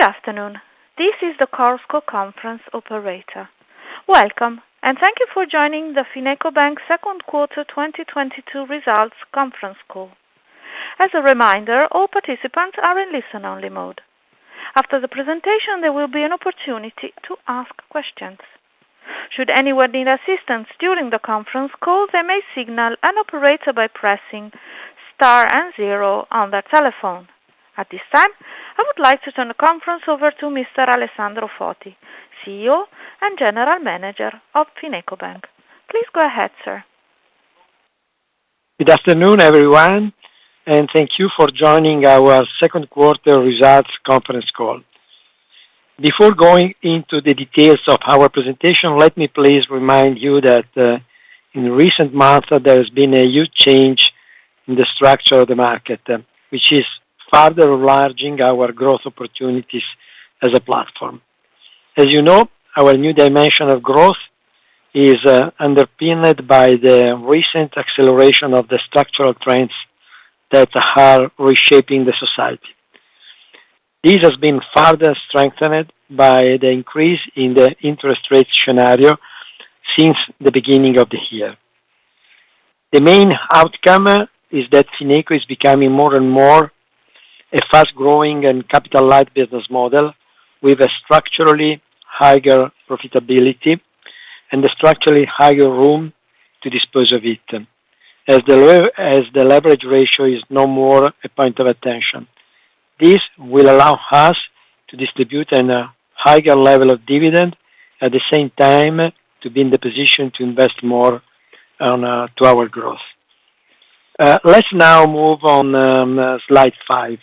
Good afternoon. This is the Chorus Call Conference operator. Welcome, and thank you for joining the FinecoBank second quarter 2022 results conference call. As a reminder, all participants are in listen-only mode. After the presentation, there will be an opportunity to ask questions. Should anyone need assistance during the conference call, they may signal an operator by pressing star and zero on their telephone. At this time, I would like to turn the conference over to Mr. Alessandro Foti, CEO and General Manager of FinecoBank. Please go ahead, sir. Good afternoon, everyone, and thank you for joining our second quarter results conference call. Before going into the details of our presentation, let me please remind you that in recent months there has been a huge change in the structure of the market, which is further enlarging our growth opportunities as a platform. As you know, our new dimension of growth is underpinned by the recent acceleration of the structural trends that are reshaping the society. This has been further strengthened by the increase in the interest rate scenario since the beginning of the year. The main outcome is that Fineco is becoming more and more a fast-growing and capital light business model with a structurally higher profitability and a structurally higher room to deploy it. As the leverage ratio is no more a point of attention. This will allow us to distribute in a higher level of dividend, at the same time to be in the position to invest more into our growth. Let's now move on, slide five.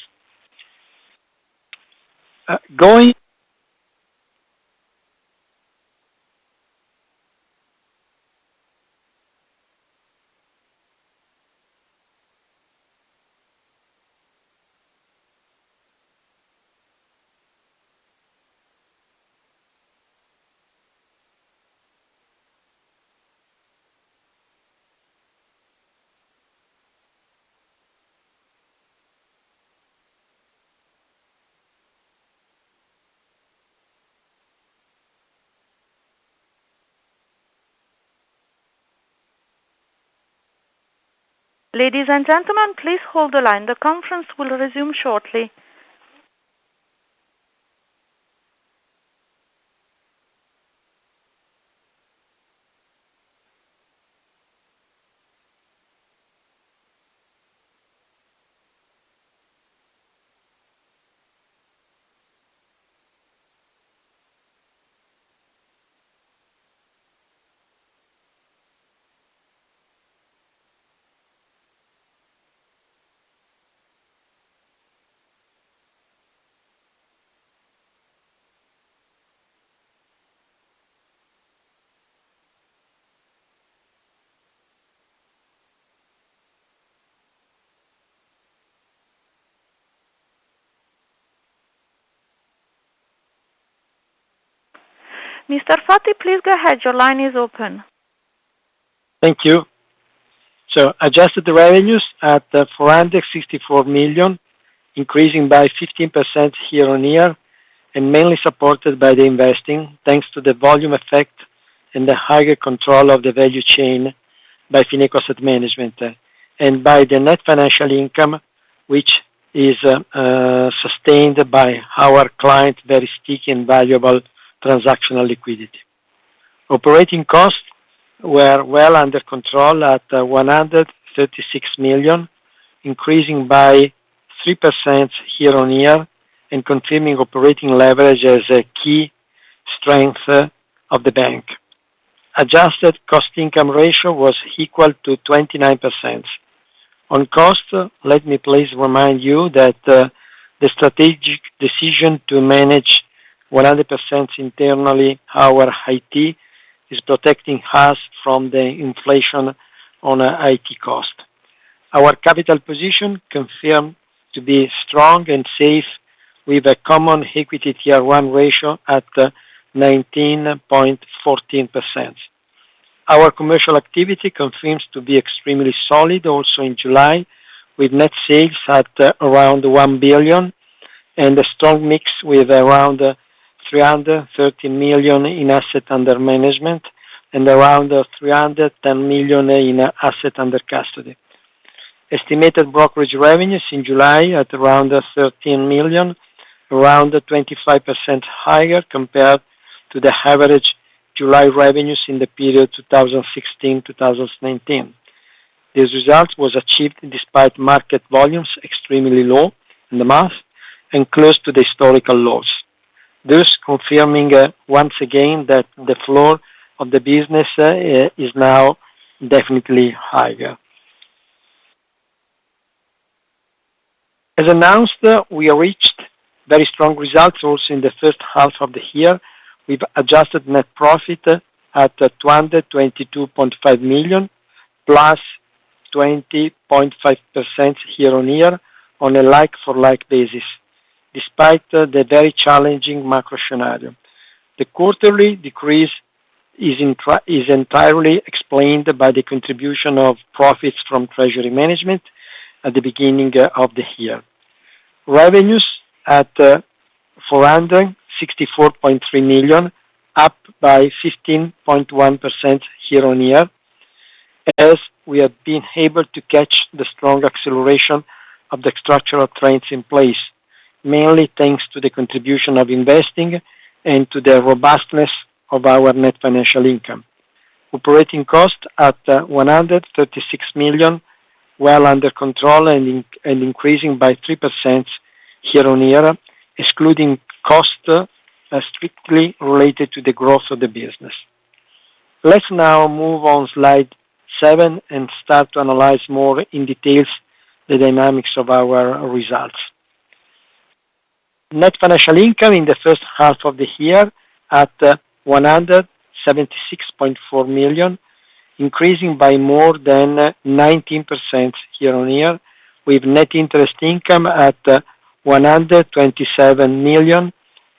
Ladies and gentlemen, please hold the line. The conference will resume shortly. Mr. Foti, please go ahead. Your line is open. Thank you. Adjusted revenues at 464 million, increasing by 15% year-on-year and mainly supported by the investing thanks to the volume effect and the higher control of the value chain by Fineco Asset Management. By the net financial income, which is sustained by our client very sticky and valuable transactional liquidity. Operating costs were well under control at 136 million, increasing by 3% year-on-year and continuing operating leverage as a key strength of the bank. Adjusted cost-to-income ratio was equal to 29%. On cost, let me please remind you that the strategic decision to manage 100% internally our IT is protecting us from the inflation on IT cost. Our capital position confirmed to be strong and safe with a Common Equity Tier 1 ratio at 19.14%. Our commercial activity continues to be extremely solid also in July, with net sales at around 1 billion and a strong mix with around 330 million in assets under management and around 310 million in assets under custody. Estimated brokerage revenues in July at around 13 million, around 25% higher compared to the average July revenues in the period 2016-2019. This result was achieved despite market volumes extremely low in the month and close to the historical lows. Thus confirming once again that the floor of the business is now definitely higher. As announced, we reached very strong results also in the first half of the year with adjusted net profit at 222.5 million +20.5% year-on-year on a like for like basis, despite the very challenging macro scenario. The quarterly decrease is entirely explained by the contribution of profits from treasury management at the beginning of the year. Revenues at 464.3 million, up by 15.1% year-over-year. We have been able to catch the strong acceleration of the structural trends in place, mainly thanks to the contribution of investing and to the robustness of our net financial income. Operating costs at 136 million, well under control and increasing by 3% year-over-year, excluding costs strictly related to the growth of the business. Let's now move on slide seven and start to analyze more in detail the dynamics of our results. Net financial income in the first half of the year at 176.4 million, increasing by more than 19% year-on-year, with net interest income at 127 million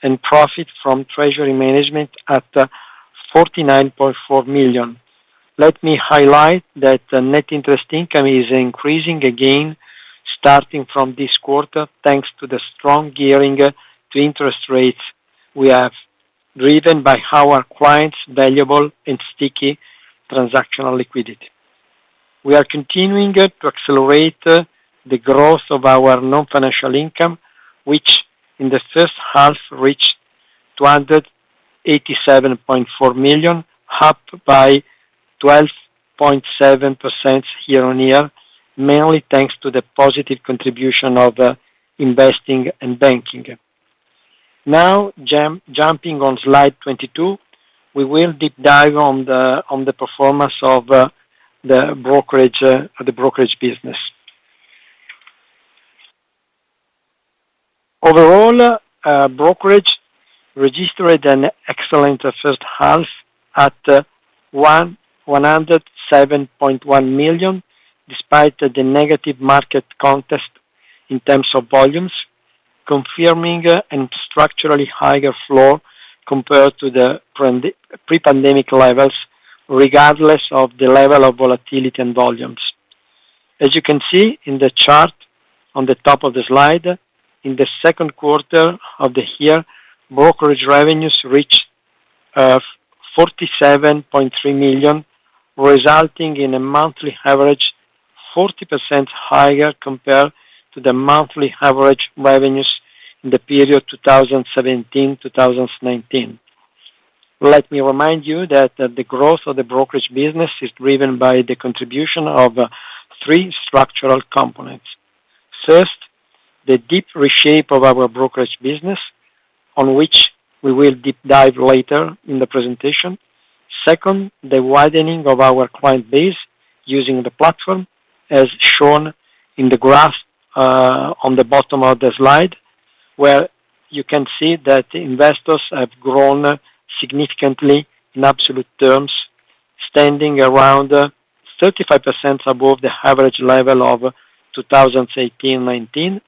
and profit from treasury management at 49.4 million. Let me highlight that the net interest income is increasing again starting from this quarter, thanks to the strong gearing to interest rates we have, driven by our clients' valuable and sticky transactional liquidity. We are continuing to accelerate the growth of our non-financial income, which in the first half reached 287.4 million, up by 12.7% year-on-year, mainly thanks to the positive contribution of investing and banking. Now jumping on slide 22, we will deep dive on the performance of the brokerage business. Overall, brokerage registered an excellent first half at 107.1 million, despite the negative market context in terms of volumes, confirming a structurally higher floor compared to the pre-pandemic levels, regardless of the level of volatility and volumes. As you can see in the chart on the top of the slide, in the second quarter of the year, brokerage revenues reached 47.3 million, resulting in a monthly average 40% higher compared to the monthly average revenues in the period 2017-2019. Let me remind you that the growth of the brokerage business is driven by the contribution of three structural components. First, the deep reshape of our brokerage business, on which we will deep dive later in the presentation. Second, the widening of our client base using the platform, as shown in the graph on the bottom of the slide, where you can see that investors have grown significantly in absolute terms, standing around 35% above the average level of 2018/2019.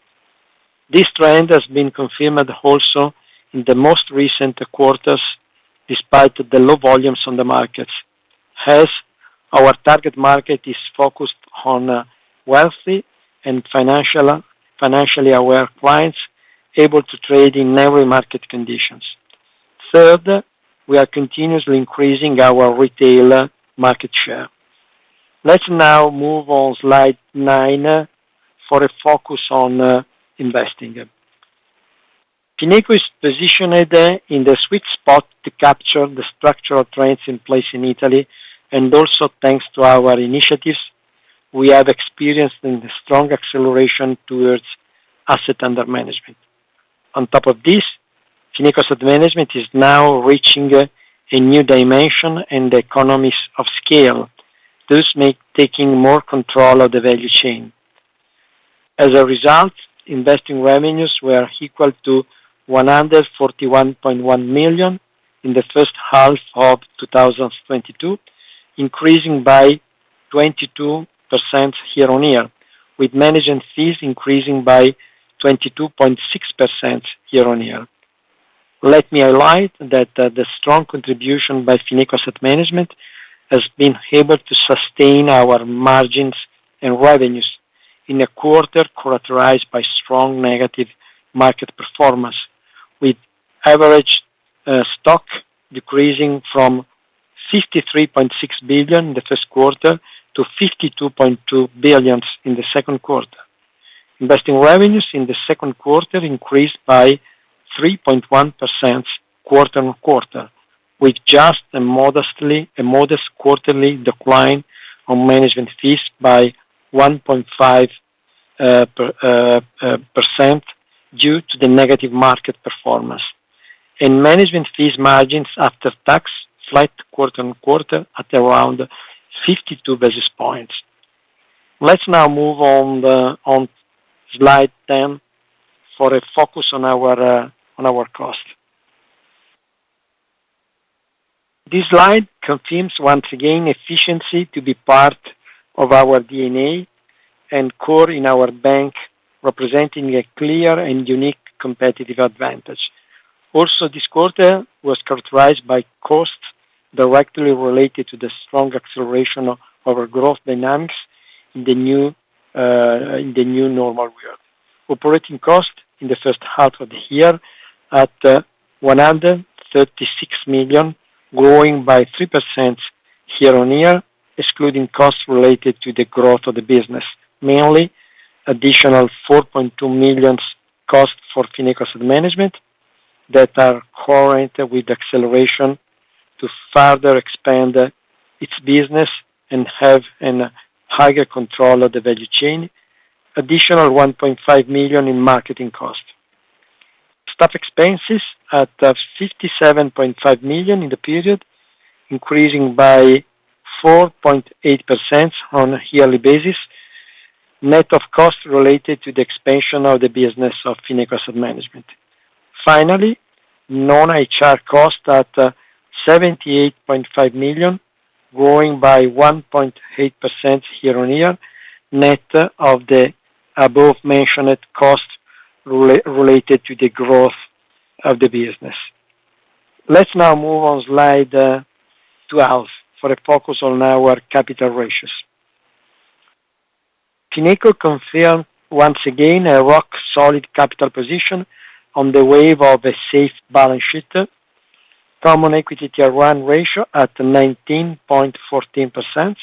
This trend has been confirmed also in the most recent quarters, despite the low volumes on the markets. Hence, our target market is focused on wealthy and financially aware clients able to trade in every market conditions. Third, we are continuously increasing our retail market share. Let's now move on slide nine for a focus on investing. Fineco is positioned in the sweet spot to capture the structural trends in place in Italy, and also thanks to our initiatives, we have experienced a strong acceleration towards asset under management. On top of this, Fineco Asset Management is now reaching a new dimension in the economies of scale, thus making taking more control of the value chain. As a result, investment revenues were equal to 141.1 million in the first half of 2022, increasing by 22% year-on-year, with management fees increasing by 22.6% year-on-year. Let me highlight that, the strong contribution by Fineco Asset Management has been able to sustain our margins and revenues in a quarter characterized by strong negative market performance, with average AUM decreasing from 53.6 billion in the first quarter to 52.2 billion in the second quarter. Investment revenues in the second quarter increased by 3.1% quarter-on-quarter, with just a modest quarterly decline on management fees by 1.5% due to the negative market performance. Management fee margins after tax slight quarter-on-quarter at around 52 basis points. Let's now move on slide 10 for a focus on our cost. This slide confirms once again efficiency to be part of our DNA. Core in our bank, representing a clear and unique competitive advantage. This quarter was characterized by cost directly related to the strong acceleration of our growth dynamics in the new normal we are. Operating cost in the first half of the year at 136 million, growing by 3% year-on-year, excluding costs related to the growth of the business, mainly additional 4.2 million costs for Fineco Asset Management that are correlated with acceleration to further expand its business and have a higher control of the value chain. Additional 1.5 million in marketing costs. Staff expenses at 57.5 million in the period, increasing by 4.8% on a yearly basis, net of costs related to the expansion of the business of Fineco Asset Management. Finally, non-HR costs at EUR 78.5 million, growing by 1.8% year-on-year, net of the above-mentioned costs related to the growth of the business. Let's now move on slide 12 for a focus on our capital ratios. Fineco confirms once again a rock-solid capital position on the back of a safe balance sheet. Common Equity Tier 1 ratio at 19.14%.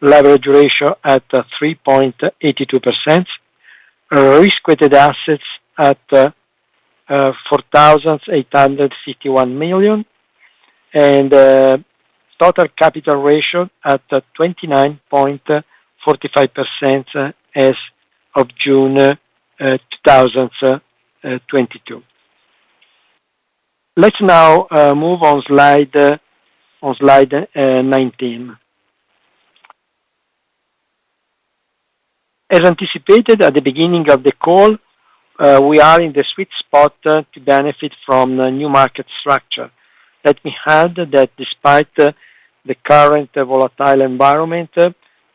Leverage ratio at 3.82%. Risk-weighted assets at 4,851 million. Total capital ratio at 29.45% as of June 2022. Let's now move on to slide 19. As anticipated at the beginning of the call, we are in the sweet spot to benefit from the new market structure. Let me add that despite the current volatile environment,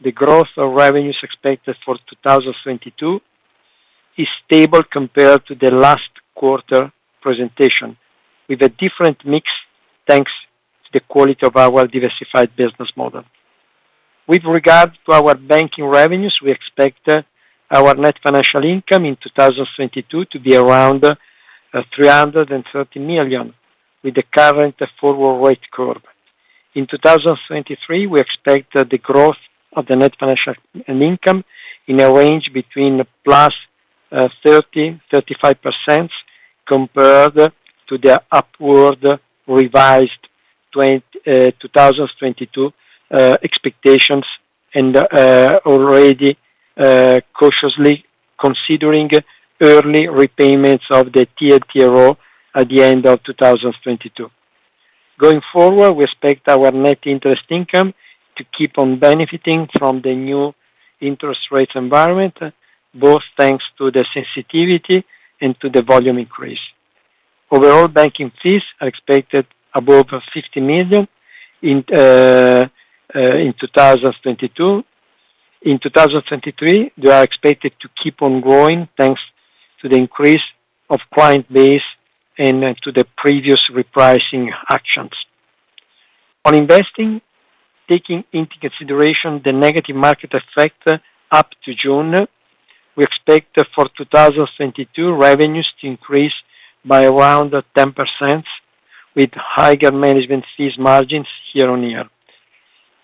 the growth of revenues expected for 2022 is stable compared to the last quarter presentation, with a different mix, thanks to the quality of our well-diversified business model. With regard to our banking revenues, we expect our Net Financial Income in 2022 to be around 330 million with the current forward rate curve. In 2023, we expect the growth of the Net Financial Income in a range between +30%-+35% compared to the upward revised 2022 expectations and already cautiously considering early repayments of the TLTRO at the end of 2022. Going forward, we expect our Net Interest Income to keep on benefiting from the new interest rate environment, both thanks to the sensitivity and to the volume increase. Overall banking fees are expected above 50 million in 2022. In 2023, they are expected to keep on growing thanks to the increase of client base and to the previous repricing actions. On investing, taking into consideration the negative market effect up to June, we expect for 2022 revenues to increase by around 10% with higher management fee margins year-on-year.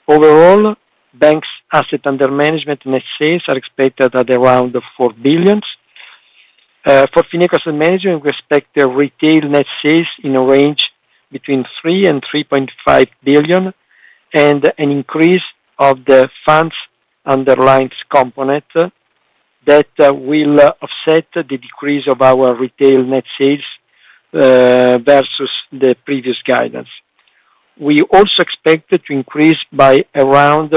Overall, bank's assets under management net sales are expected at around 4 billion. For Fineco Asset Management, we expect the retail net sales in a range between 3 billion and 3.5 billion and an increase of the funds underlying component that will offset the decrease of our retail net sales versus the previous guidance. We also expect it to increase by around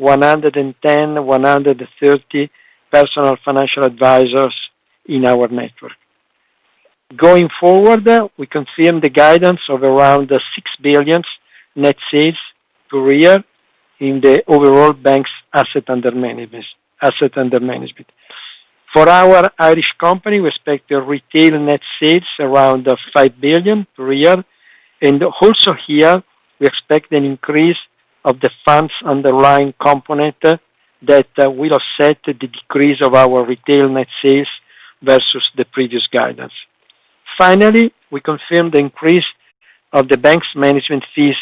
110-130 personal financial advisors in our network. Going forward, we confirm the guidance of around 6 billion net sales per year in the overall bank's asset under management. For our Irish company, we expect the retail net sales around 5 billion per year. Also here, we expect an increase of the funds underlying component that will offset the decrease of our retail net sales versus the previous guidance. Finally, we confirm the increase of the bank's management fees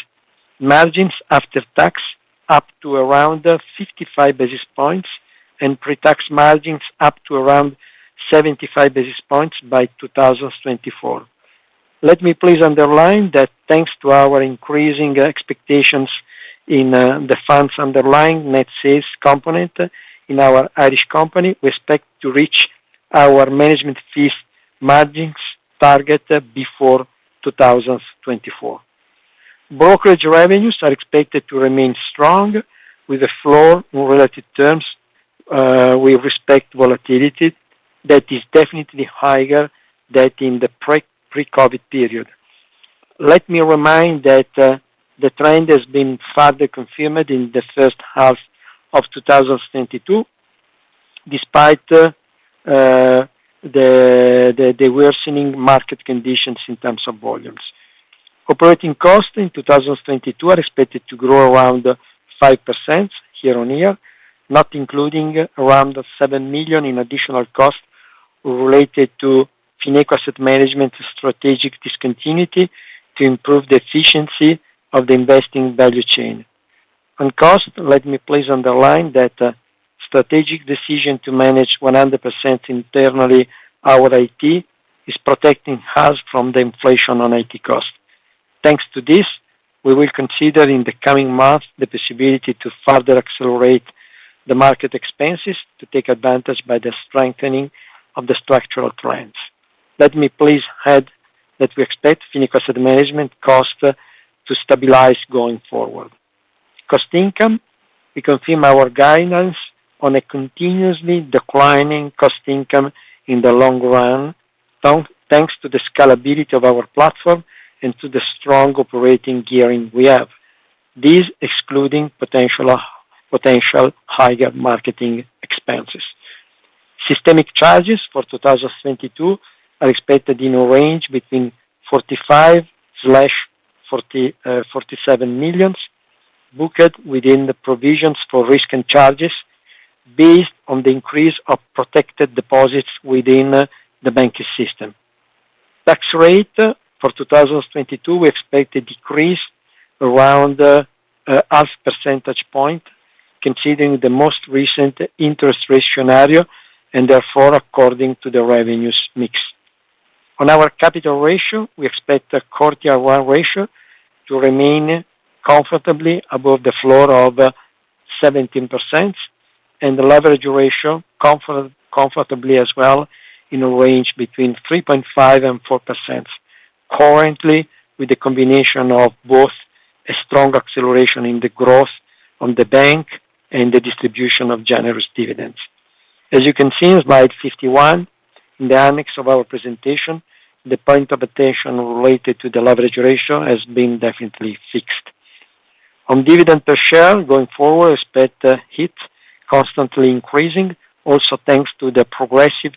margins after tax up to around 55 basis points and pre-tax margins up to around 75 basis points by 2024. Let me please underline that thanks to our increasing expectations in the funds underlying net sales component in our Irish company, we expect to reach our management fees margins target before 2024. Brokerage revenues are expected to remain strong with a floor in relative terms, with respect to volatility that is definitely higher than in the pre-COVID period. Let me remind that the trend has been further confirmed in the first half of 2022, despite the worsening market conditions in terms of volumes. Operating costs in 2022 are expected to grow around 5% year-on-year, not including around 7 million in additional costs related to Fineco Asset Management strategic discontinuity to improve the efficiency of the investing value chain. On cost, let me please underline that strategic decision to manage 100% internally our IT is protecting us from the inflation on IT cost. Thanks to this, we will consider in the coming months the possibility to further accelerate the marketing expenses to take advantage of the strengthening of the structural trends. Let me please add that we expect Fineco Asset Management cost to stabilize going forward. Cost income, we confirm our guidance on a continuously declining cost income in the long run, thanks to the scalability of our platform and to the strong operating gearing we have. This excluding potential higher marketing expenses. Systemic charges for 2022 are expected in a range between 45 million-47 million, booked within the provisions for risk and charges based on the increase of protected deposits within the banking system. Tax rate for 2022, we expect a decrease around half percentage point, considering the most recent interest rate scenario, and therefore according to the revenues mix. On our capital ratio, we expect the Core Tier 1 ratio to remain comfortably above the floor of 17%, and the leverage ratio comfortably as well in a range between 3.5% and 4%, currently with a combination of both a strong acceleration in the growth on the bank and the distribution of generous dividends. As you can see on slide 51, in the annex of our presentation, the point of attention related to the leverage ratio has been definitely fixed. On dividend per share, going forward we expect it constantly increasing, also thanks to the progressive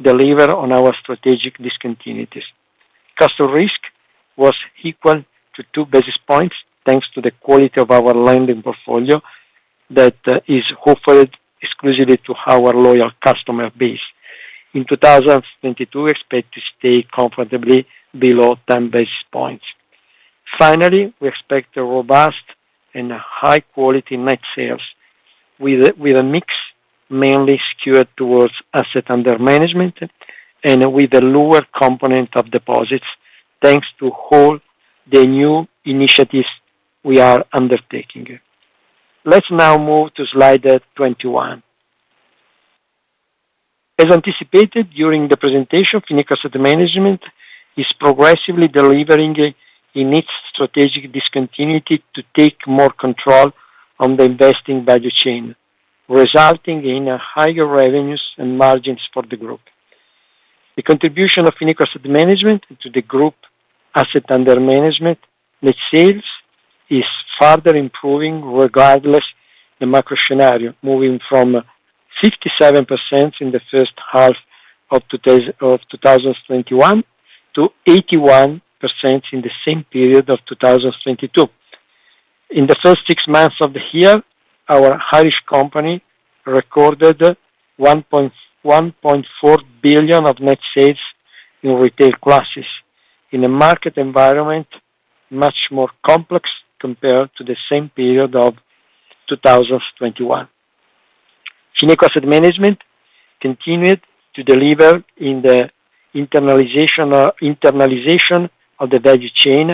deliver on our strategic discontinuities. Customer risk was equal to 2 basis points, thanks to the quality of our lending portfolio that is offered exclusively to our loyal customer base. In 2022, we expect to stay comfortably below 10 basis points. Finally, we expect a robust and high quality net sales with a mix mainly skewed towards asset under management and with a lower component of deposits, thanks to all the new initiatives we are undertaking. Let's now move to slide 21. As anticipated during the presentation, Fineco Asset Management is progressively delivering in its strategic discontinuity to take more control on the investing value chain, resulting in a higher revenues and margins for the group. The contribution of Fineco Asset Management to the group asset under management net sales is further improving regardless the macro scenario, moving from 57% in the first half of 2021 to 81% in the same period of 2022. In the first six months of the year, our Irish company recorded 1.14 billion of net sales in retail classes in a market environment much more complex compared to the same period of 2021. Fineco Asset Management continued to deliver in the internalization of the value chain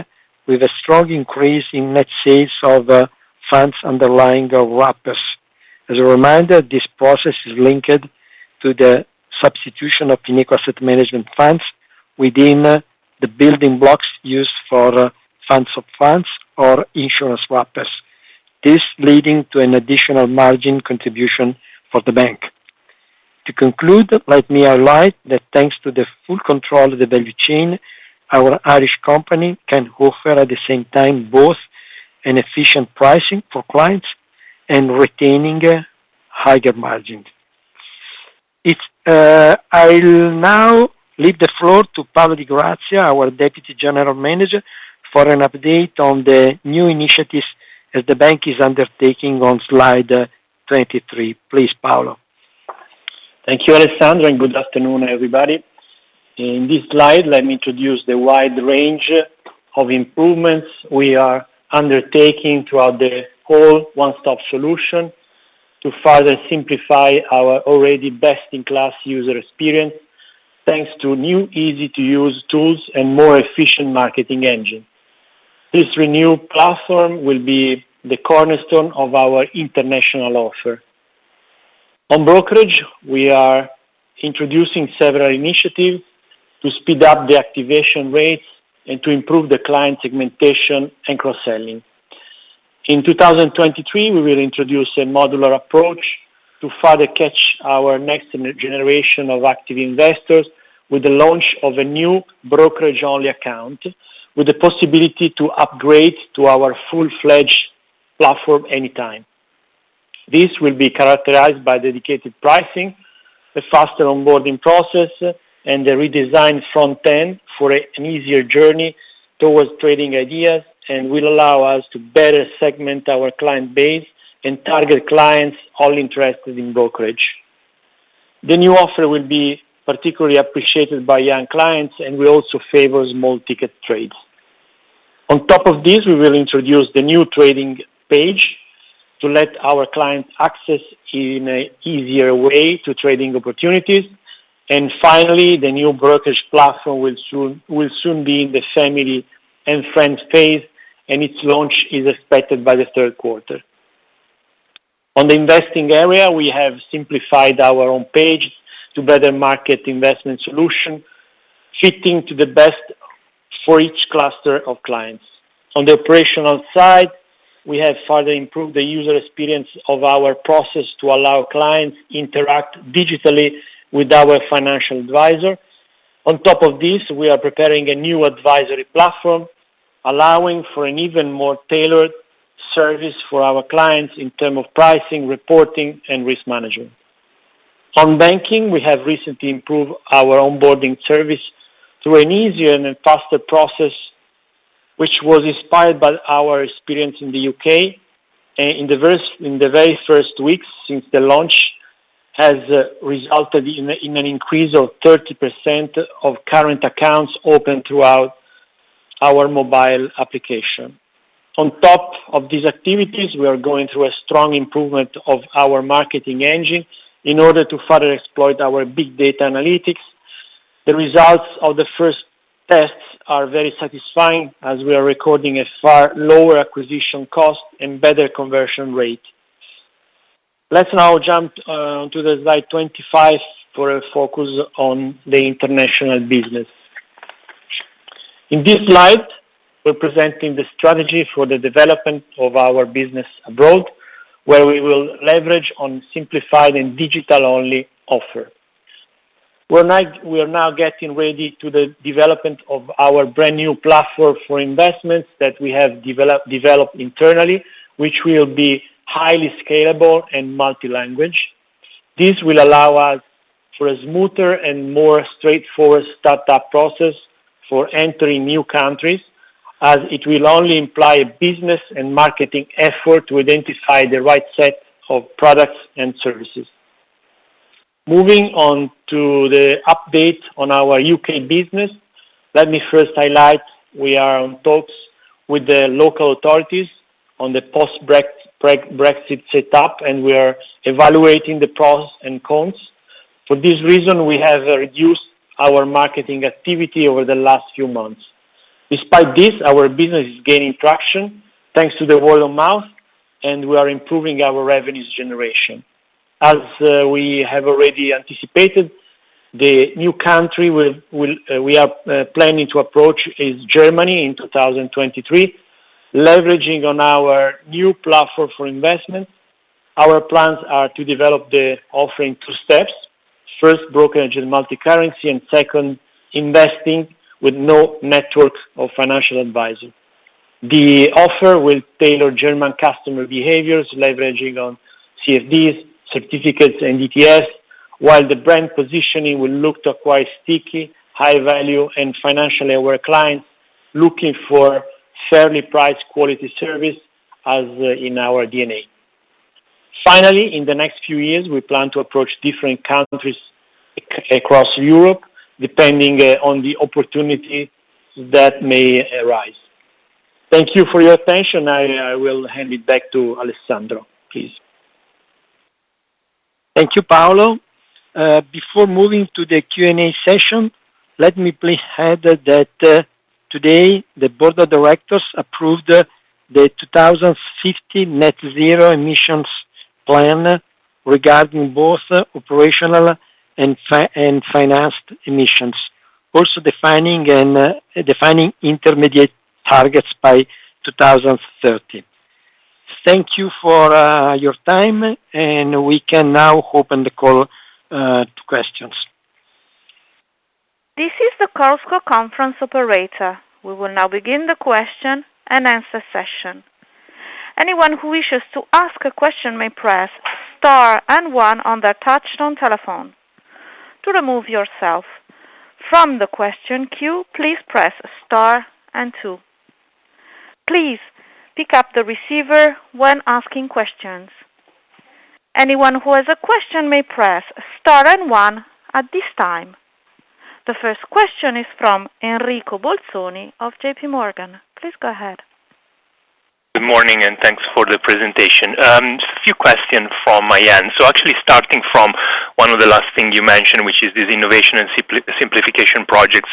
with a strong increase in net sales of funds underlying the wrappers. As a reminder, this process is linked to the substitution of Fineco Asset Management funds within the building blocks used for funds of funds or insurance wrappers, this leading to an additional margin contribution for the bank. To conclude, let me highlight that thanks to the full control of the value chain, our Irish company can offer at the same time both an efficient pricing for clients and retaining higher margins. I'll now leave the floor to Paolo Di Grazia, our Deputy General Manager, for an update on the new initiatives that the bank is undertaking on slide 23. Please, Paolo. Thank you, Alessandro, and good afternoon, everybody. In this slide, let me introduce the wide range of improvements we are undertaking throughout the whole one-stop solution to further simplify our already best-in-class user experience, thanks to new easy-to-use tools and more efficient marketing engine. This renewed platform will be the cornerstone of our international offer. On brokerage, we are introducing several initiatives to speed up the activation rates and to improve the client segmentation and cross-selling. In 2023, we will introduce a modular approach to further catch our next generation of active investors with the launch of a new brokerage-only account, with the possibility to upgrade to our full-fledged platform anytime. This will be characterized by dedicated pricing, a faster onboarding process, and a redesigned front end for an easier journey towards trading ideas, and will allow us to better segment our client base and target clients only interested in brokerage. The new offer will be particularly appreciated by young clients and will also favor small ticket trades. On top of this, we will introduce the new trading page to let our clients access in an easier way to trading opportunities. Finally, the new brokerage platform will soon be in the family and friends phase, and its launch is expected by the third quarter. On the investing area, we have simplified our own page to better market investment solution, fitting to the best for each cluster of clients. On the operational side, we have further improved the user experience of our process to allow clients interact digitally with our financial advisor. On top of this, we are preparing a new advisory platform, allowing for an even more tailored service for our clients in terms of pricing, reporting, and risk management. On banking, we have recently improved our onboarding service through an easier and a faster process, which was inspired by our experience in the U.K., in the very first weeks since the launch, has resulted in an increase of 30% of current accounts opened throughout our mobile application. On top of these activities, we are going through a strong improvement of our marketing engine in order to further exploit our big data analytics. The results of the first tests are very satisfying as we are recording a far lower acquisition cost and better conversion rate. Let's now jump to the slide 25 for a focus on the international business. In this slide, we're presenting the strategy for the development of our business abroad, where we will leverage on simplified and digital-only offer. We're now getting ready to the development of our brand-new platform for investments that we have developed internally, which will be highly scalable and multi-language. This will allow us for a smoother and more straightforward startup process for entering new countries, as it will only imply business and marketing effort to identify the right set of products and services. Moving on to the update on our U.K. business, let me first highlight we are in talks with the local authorities on the post-Brexit set up, and we are evaluating the pros and cons. For this reason, we have reduced our marketing activity over the last few months. Despite this, our business is gaining traction thanks to the word of mouth, and we are improving our revenues generation. As we have already anticipated, the new country we are planning to approach is Germany in 2023. Leveraging on our new platform for investment, our plans are to develop the offering two steps. First, brokerage and multicurrency, and second, investing with no network of financial advising. The offer will tailor German customer behaviors, leveraging on CFDs, certificates, and ETFs, while the brand positioning will look to acquire sticky, high value, and financially aware clients looking for fairly priced quality service as in our DNA. Finally, in the next few years, we plan to approach different countries across Europe, depending on the opportunity that may arise. Thank you for your attention. I will hand it back to Alessandro, please. Thank you, Paolo. Before moving to the Q&A session, let me please add that today the board of directors approved the 2050 net-zero emissions plan regarding both operational and financed emissions, defining intermediate targets by 2030. Thank you for your time, and we can now open the call to questions. This is the CallScope conference operator. We will now begin the question and answer session. Anyone who wishes to ask a question may press star and one on their touch tone telephone. To remove yourself from the question queue, please press star and two. Please pick up the receiver when asking questions. Anyone who has a question may press star and one at this time. The first question is from Enrico Bolzoni of JPMorgan. Please go ahead. Good morning, and thanks for the presentation. Just a few questions from my end. Actually starting from one of the last thing you mentioned, which is this innovation and simplification project.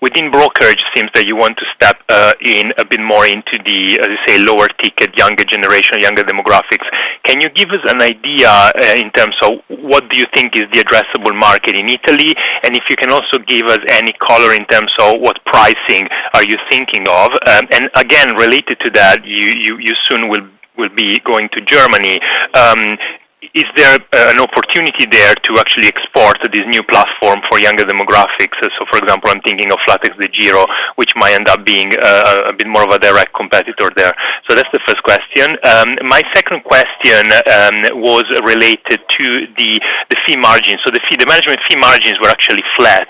Within brokerage, it seems that you want to step in a bit more into the, as you say, lower ticket, younger generation, younger demographic. Can you give us an idea in terms of what do you think is the addressable market in Italy? And if you can also give us any color in terms of what pricing are you thinking of. And again, related to that, you soon will be going to Germany. Is there an opportunity there to actually export this new platform for younger demographics? For example, I'm thinking of flatexDEGIRO, which might end up being a bit more of a direct competitor there. That's the first question. My second question was related to the fee margins. The management fee margins were actually flat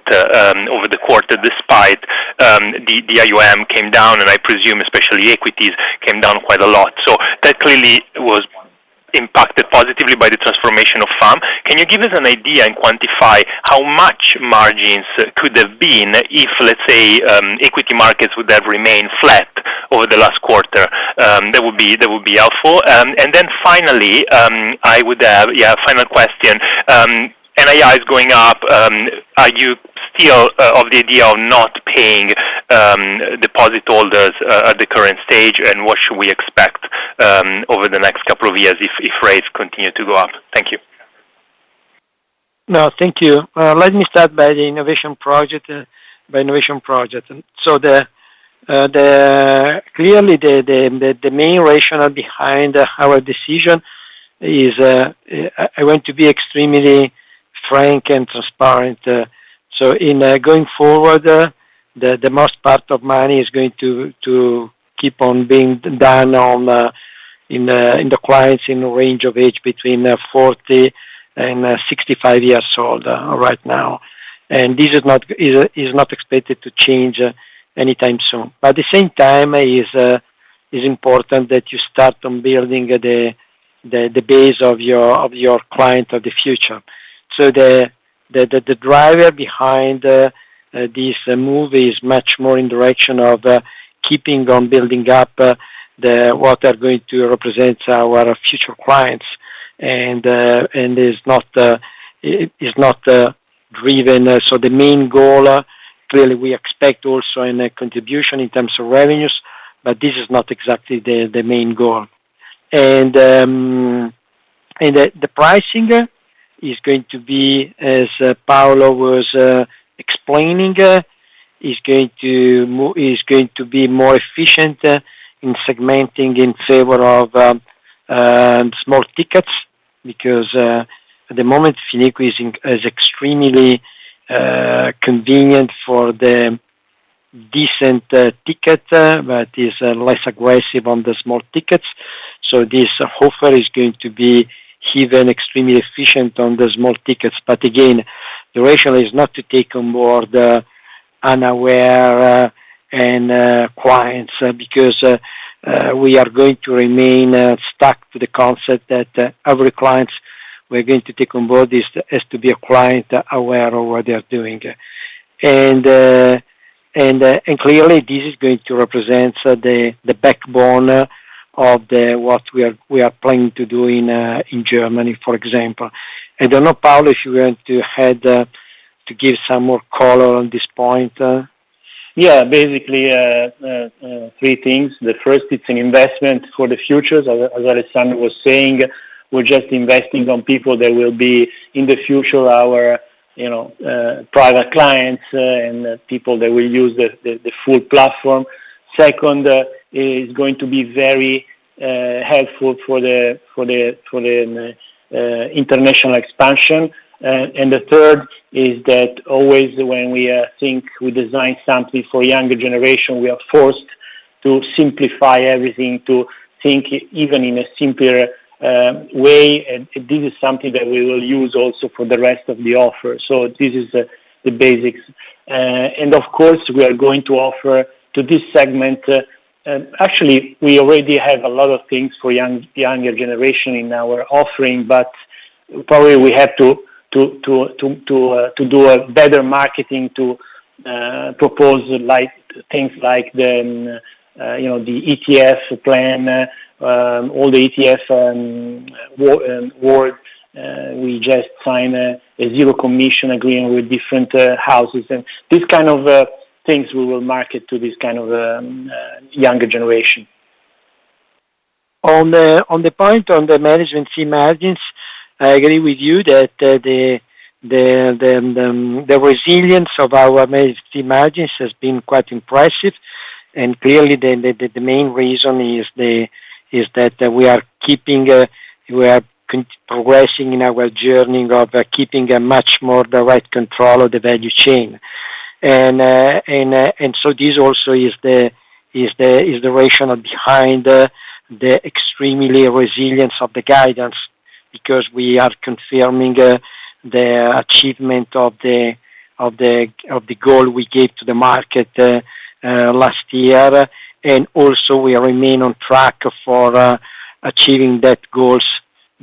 over the quarter despite the AUM came down, and I presume especially equities came down quite a lot. That clearly was impacted positively by the transformation of FAM. Can you give us an idea and quantify how much margins could have been if, let's say, equity markets would have remained flat over the last quarter? That would be helpful. Then finally, yeah, final question. NII is going up. Are you still of the idea of not paying deposit holders at the current stage? What should we expect over the next couple of years if rates continue to go up? Thank you. No, thank you. Let me start by the innovation project. Clearly, the main rationale behind our decision is, I want to be extremely frank and transparent. In going forward, the most part of money is going to keep on being done on in the clients in range of age between 40 and 65 years old right now. This is not expected to change anytime soon. At the same time, is important that you start on building the base of your client of the future. The driver behind this move is much more in direction of keeping on building up the what are going to represent our future clients, and is not driven. The main goal, clearly, we expect also a contribution in terms of revenues, but this is not exactly the main goal. The pricing is going to be, as Paolo was explaining, more efficient in segmenting in favor of small tickets, because at the moment, Fineco is extremely convenient for the decent ticket, but is less aggressive on the small tickets. This offer is going to be even extremely efficient on the small tickets. Again, the rationale is not to take on board unaware and clients because we are going to remain stuck to the concept that every client we're going to take on board is to be a client aware of what they are doing. Clearly, this is going to represent the backbone of what we are planning to do in Germany, for example. I don't know, Paolo, if you want to add to give some more color on this point. Yeah. Basically, three things. The first, it's an investment for the future. As Alessandro was saying, we're just investing on people that will be in the future our, you know, private clients, and people that will use the full platform. Second, is going to be very helpful for the international expansion. The third is that always when we think we design something for younger generation, we are forced to simplify everything to think even in a simpler way. This is something that we will use also for the rest of the offer. This is the basics. Of course, we are going to offer to this segment. Actually, we already have a lot of things for younger generation in our offering, but probably we have to to do a better marketing to propose like things like the, you know, the ETF plan, all the ETF wrappers. We just sign a zero commission agreement with different houses. These kind of things we will market to this kind of younger generation. On the point on the management fee margins, I agree with you that the resilience of our management fee margins has been quite impressive. Clearly, the main reason is that we are progressing in our journey of keeping a much more direct control of the value chain. This also is the rationale behind the extremely resilience of the guidance because we are confirming the achievement of the goal we gave to the market last year. We also remain on track for achieving that goals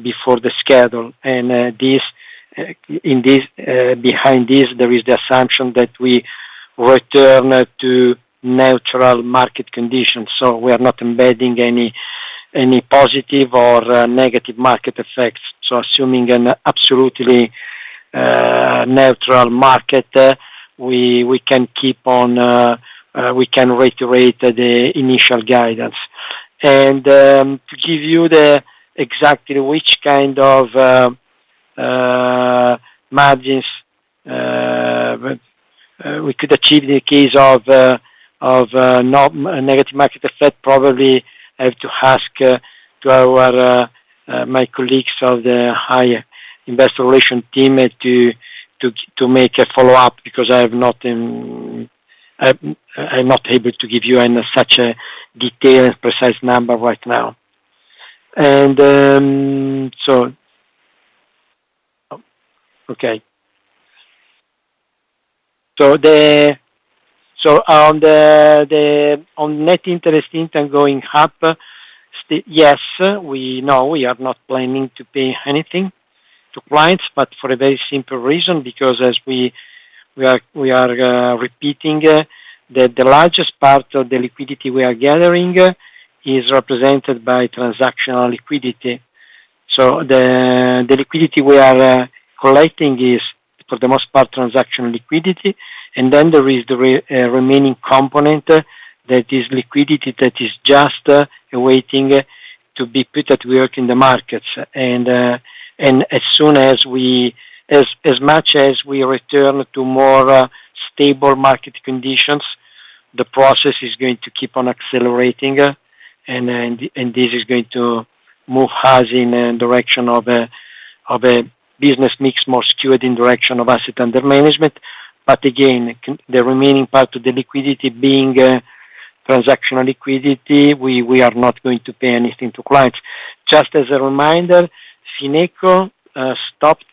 before the schedule. Behind this, there is the assumption that we return to neutral market conditions. We are not embedding any positive or negative market effects. Assuming an absolutely neutral market, we can reiterate the initial guidance. To give you exactly which kind of margins we could achieve in the case of not negative market effect, probably I have to ask my colleagues of the Investor Relations team to make a follow-up, because I have nothing. I'm not able to give you any such a detailed precise number right now. Oh, okay. On the net interest income going up, yes, we know we are not planning to pay anything to clients, but for a very simple reason, because as we are repeating, the largest part of the liquidity we are gathering is represented by transactional liquidity. The liquidity we are collecting is, for the most part, transaction liquidity. Then there is the remaining component that is liquidity that is just waiting to be put at work in the markets. As much as we return to more stable market conditions, the process is going to keep on accelerating, and this is going to move us in a direction of a business mix more skewed in the direction of Assets Under Management. Again, the remaining part of the liquidity being transactional liquidity, we are not going to pay anything to clients. Just as a reminder, Fineco stopped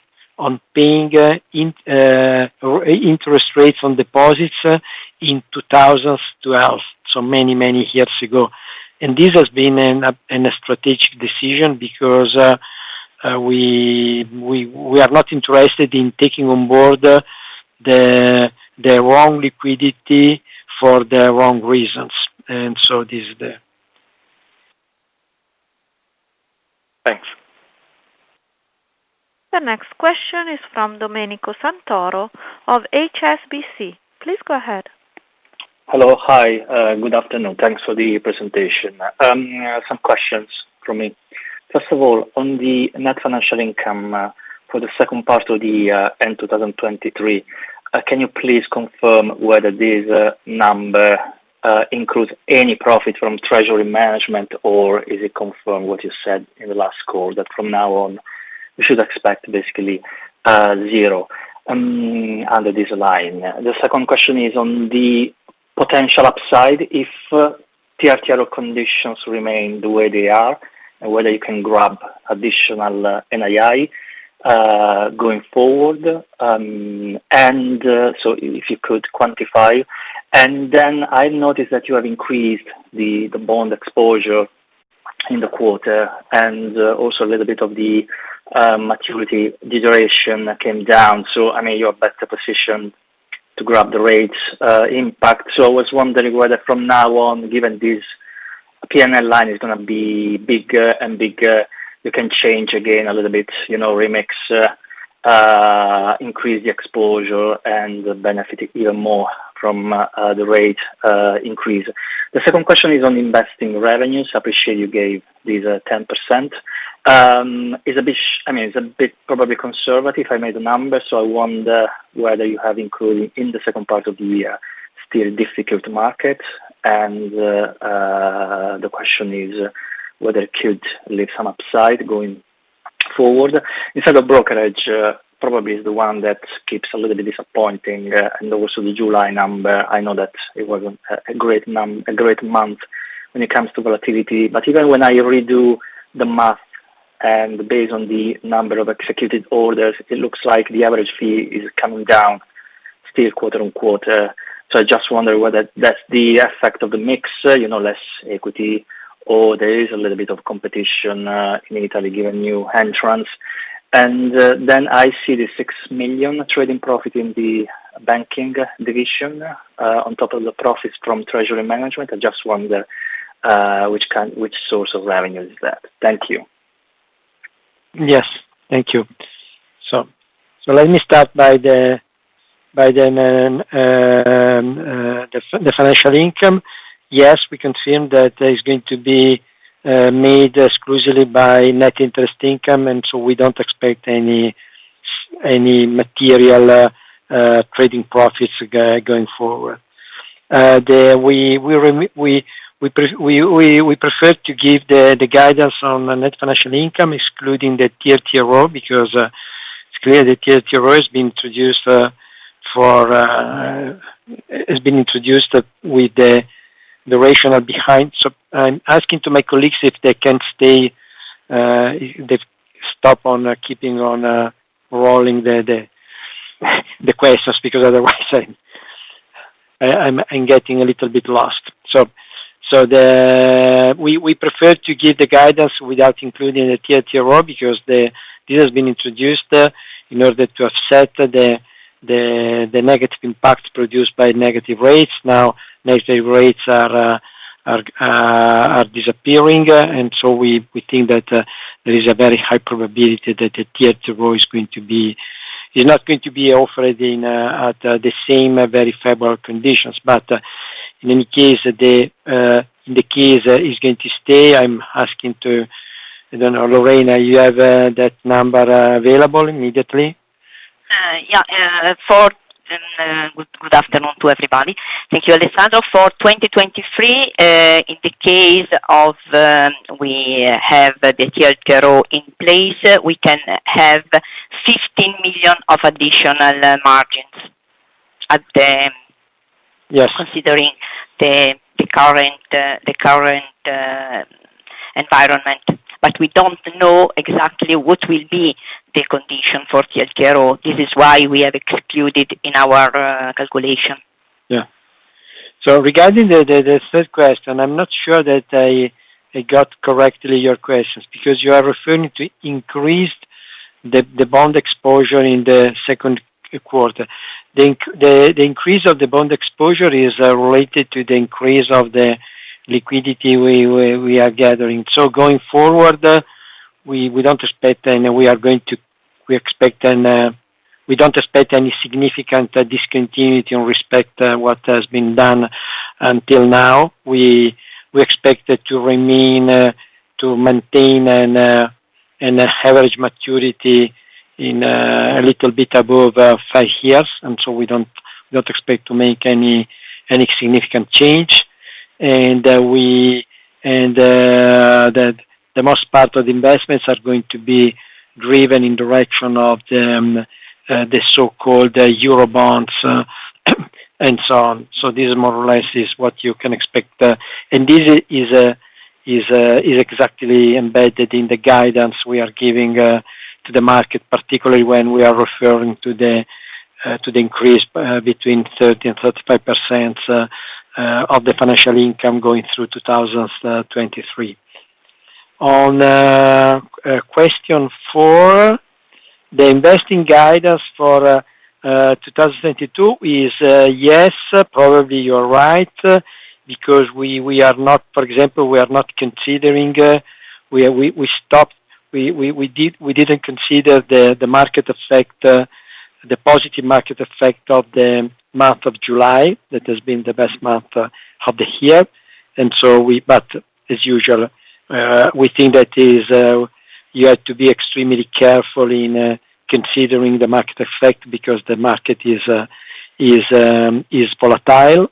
paying interest rates on deposits in 2012, so many years ago. This has been a strategic decision because we are not interested in taking on board the wrong liquidity for the wrong reasons. This is the... Thanks. The next question is from Domenico Santoro of HSBC. Please go ahead. Hello. Hi. Good afternoon. Thanks for the presentation. Some questions from me. First of all, on the net financial income for the second part of the end 2023, can you please confirm whether this number includes any profit from treasury management or is it confirmed what you said in the last call, that from now on, we should expect basically zero under this line? The second question is on the potential upside, if TLTRO conditions remain the way they are and whether you can grab additional NII going forward, and so if you could quantify. Then I noticed that you have increased the bond exposure in the quarter and also a little bit of the maturity duration came down. I mean, you're better positioned to grab the rates impact. I was wondering whether from now on, given this PNL line is gonna be bigger and bigger, you can change again a little bit, you know, remix, increase the exposure and benefit even more from the rate increase. The second question is on investing revenues. I appreciate you gave this 10%. It is a bit. I mean, it's a bit probably conservative. I made a number, so I wonder whether you have included in the second part of the year, still difficult market. The question is whether could leave some upside going forward. Instead of brokerage, probably is the one that keeps a little bit disappointing. And also the July number, I know that it wasn't a great month when it comes to volatility. Even when I redo the math and based on the number of executed orders, it looks like the average fee is coming down still quarter-over-quarter. I just wonder whether that's the effect of the mix, you know, less equity, or there is a little bit of competition in Italy, given new entrants. I see the 6 million trading profit in the banking division on top of the profits from treasury management. I just wonder which source of revenue is that. Thank you. Yes. Thank you. Let me start by the financial income. Yes, we confirm that there is going to be made exclusively by Net Interest Income, and we don't expect any material trading profits going forward. We prefer to give the guidance on Net Financial Income, excluding the TLTRO, because it's clear the TLTRO has been introduced with the rationale behind. I'm asking my colleagues if they can stop keeping on rolling the questions, because otherwise I'm getting a little bit lost. We prefer to give the guidance without including the TLTRO, because the... This has been introduced in order to offset the negative impacts produced by negative rates. Now negative rates are disappearing, and so we think that there is a very high probability that the Tier 2 is not going to be offered at the same very favorable conditions. In any case, the case is going to stay. I don't know, Lorena, you have that number available immediately? Good afternoon to everybody. Thank you, Alessandro. For 2023, in the case of, we have the Tier 1 in place, we can have 15 million of additional margins at the- Yes. considering the current environment. We don't know exactly what will be the condition for tier zero. This is why we have excluded in our calculation. Yeah. Regarding the third question, I'm not sure that I got correctly your questions because you are referring to increased the bond exposure in the second quarter. The increase of the bond exposure is related to the increase of the liquidity we are gathering. Going forward, we don't expect any significant discontinuity in respect what has been done until now. We expect it to remain to maintain an average maturity in a little bit above five years, and we don't expect to make any significant change. The most part of the investments are going to be driven in the direction of the so-called Eurobonds, and so on. This more or less is what you can expect. This is exactly embedded in the guidance we are giving to the market, particularly when we are referring to the increase between 30%-35% of the financial income going through 2023. On question four, the investing guidance for 2022 is yes, probably you're right, because we are not. For example, we are not considering, we didn't consider the market effect, the positive market effect of the month of July. That has been the best month of the year. As usual, we think you have to be extremely careful in considering the market effect because the market is volatile.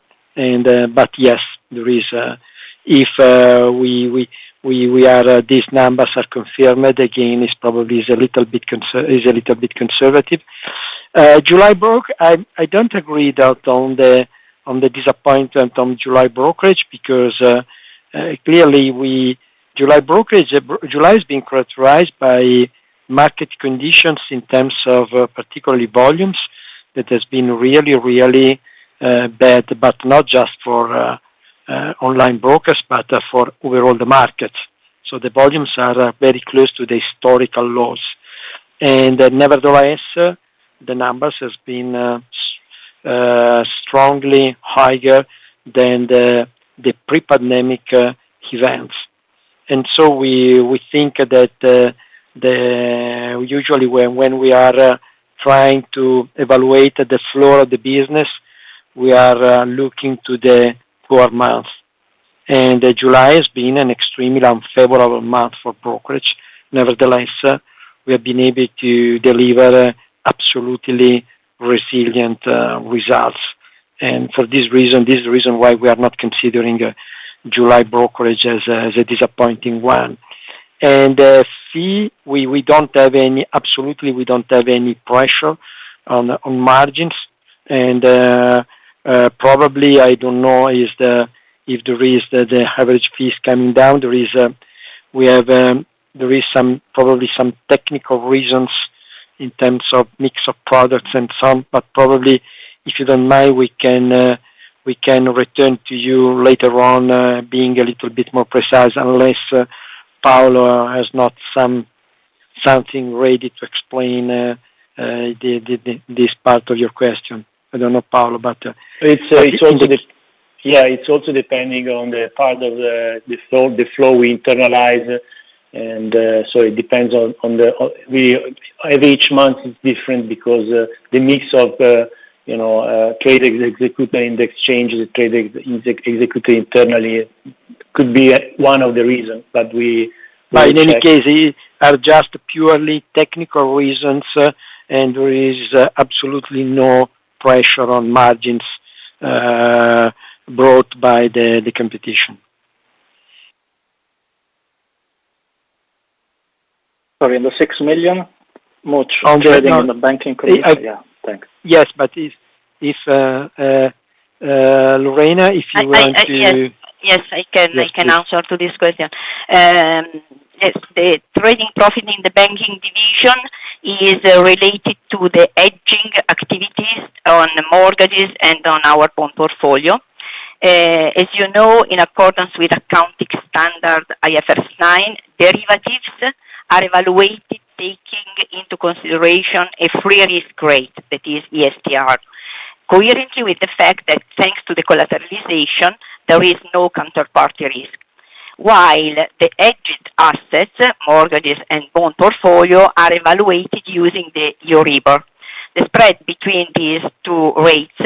Yes, there is. If these numbers are confirmed, again, it's probably a little bit conservative. I don't agree with the disappointment on July brokerage because clearly July has been characterized by market conditions in terms of particularly volumes. That has been really bad, but not just for online brokers, but for the overall market. The volumes are very close to the historical lows. Nevertheless, the numbers has been strongly higher than the pre-pandemic events. We think that usually when we are trying to evaluate the floor of the business, we are looking to the poor months. July has been an extremely unfavorable month for brokerage. Nevertheless, we have been able to deliver absolutely resilient results. For this reason, this is the reason why we are not considering July brokerage as a disappointing one. See, we don't have any. Absolutely, we don't have any pressure on margins. Probably, I don't know if there is the average fees coming down. There is some, probably some technical reasons in terms of mix of products and some. Probably, if you don't mind, we can return to you later on, being a little bit more precise, unless Paolo has something ready to explain this part of your question. I don't know Paolo, but- It's also depending on the part of the flow we internalize. It depends on each month being different because the mix of you know trade execution in the exchange, the trade execution internally could be one of the reasons. In any case, it are just purely technical reasons, and there is absolutely no pressure on margins, brought by the competition. Sorry. In the six months, much trading in the banking crisis. Yeah. Thanks. Yes, but if Lorena, if you want to- Yes. Yes, I can answer to this question. Yes. The trading profit in the banking division is related to the hedging activities on mortgages and on our bond portfolio. As you know, in accordance with accounting standard IFRS 9, derivatives are evaluated taking into consideration a risk-free rate, that is ESTR. Coherently with the fact that thanks to the collateralization, there is no counterparty risk. While the hedged assets, mortgages, and bond portfolio are evaluated using the Euribor. The spread between these two rates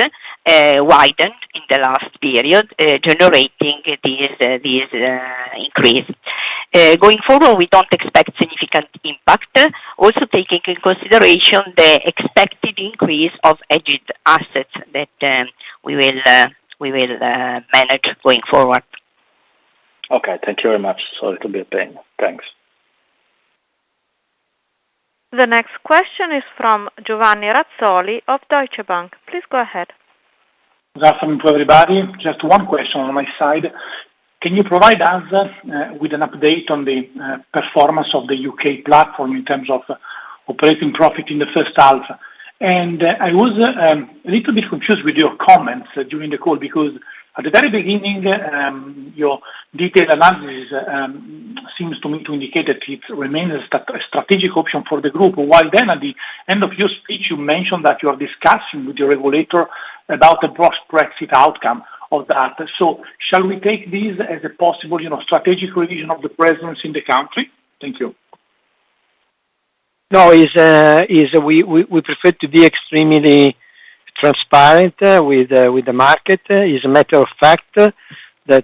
widened in the last period, generating this increase. Going forward, we don't expect significant impact. Also, taking into consideration the expected increase of hedged assets that we will manage going forward. Okay. Thank you very much. Sorry to be a pain. Thanks. The next question is from Giovanni Razzoli of Deutsche Bank. Please go ahead. Good afternoon to everybody. Just one question on my side. Can you provide us with an update on the performance of the U.K. platform in terms of operating profit in the first half? I was a little bit confused with your comments during the call because at the very beginning your detailed analysis seems to me to indicate that it remains a strategic option for the group, while then at the end of your speech you mentioned that you are discussing with your regulator about the post-Brexit outcome of that. Shall we take this as a possible, you know, strategic revision of the presence in the country? Thank you. No. Yes, we prefer to be extremely transparent with the market. It is a matter of fact that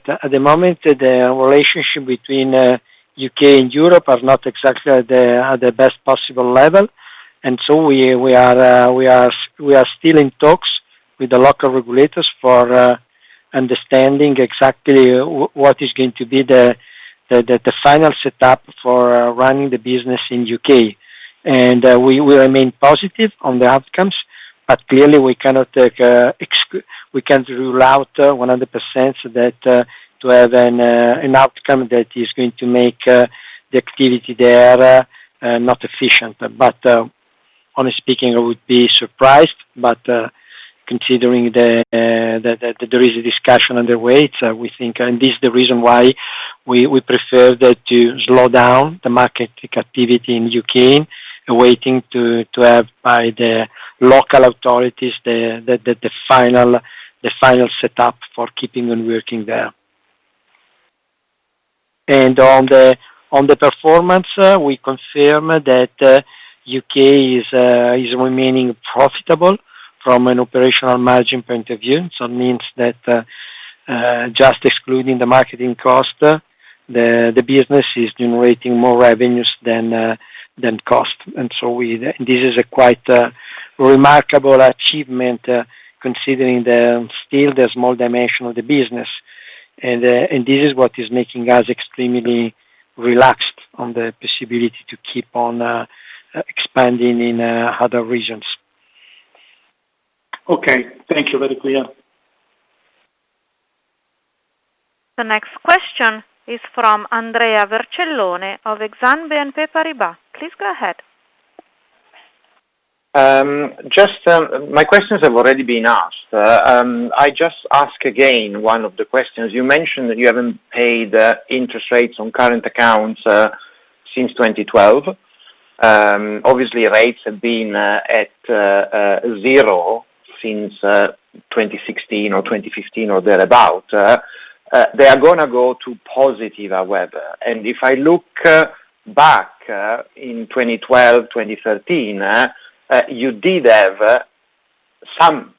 at the moment the relationship between U.K. and Europe are not exactly at the best possible level. We are still in talks with the local regulators for understanding exactly what is going to be the final setup for running the business in U.K. We will remain positive on the outcomes, but clearly we cannot exclude 100% that to have an outcome that is going to make the activity there not efficient. Honestly speaking, I would be surprised. Considering that there is a discussion underway, we think. This is the reason why we prefer to slow down the market activity in U.K., waiting to have by the local authorities the final setup for keeping on working there. On the performance, we confirm that U.K. is remaining profitable from an operational margin point of view. Means that just excluding the marketing cost, the business is generating more revenues than cost. This is a quite remarkable achievement, considering the still small dimension of the business. This is what is making us extremely relaxed on the possibility to keep on expanding in other regions. Okay. Thank you. Very clear. The next question is from Andrea Vercellone of Exane BNP Paribas. Please go ahead. My questions have already been asked. I just ask again one of the questions. You mentioned that you haven't paid interest rates on current accounts since 2012. Obviously rates have been at zero since 2016 or 2015 or thereabout. They are gonna go to positive however. If I look back in 2012, 2013, you did have some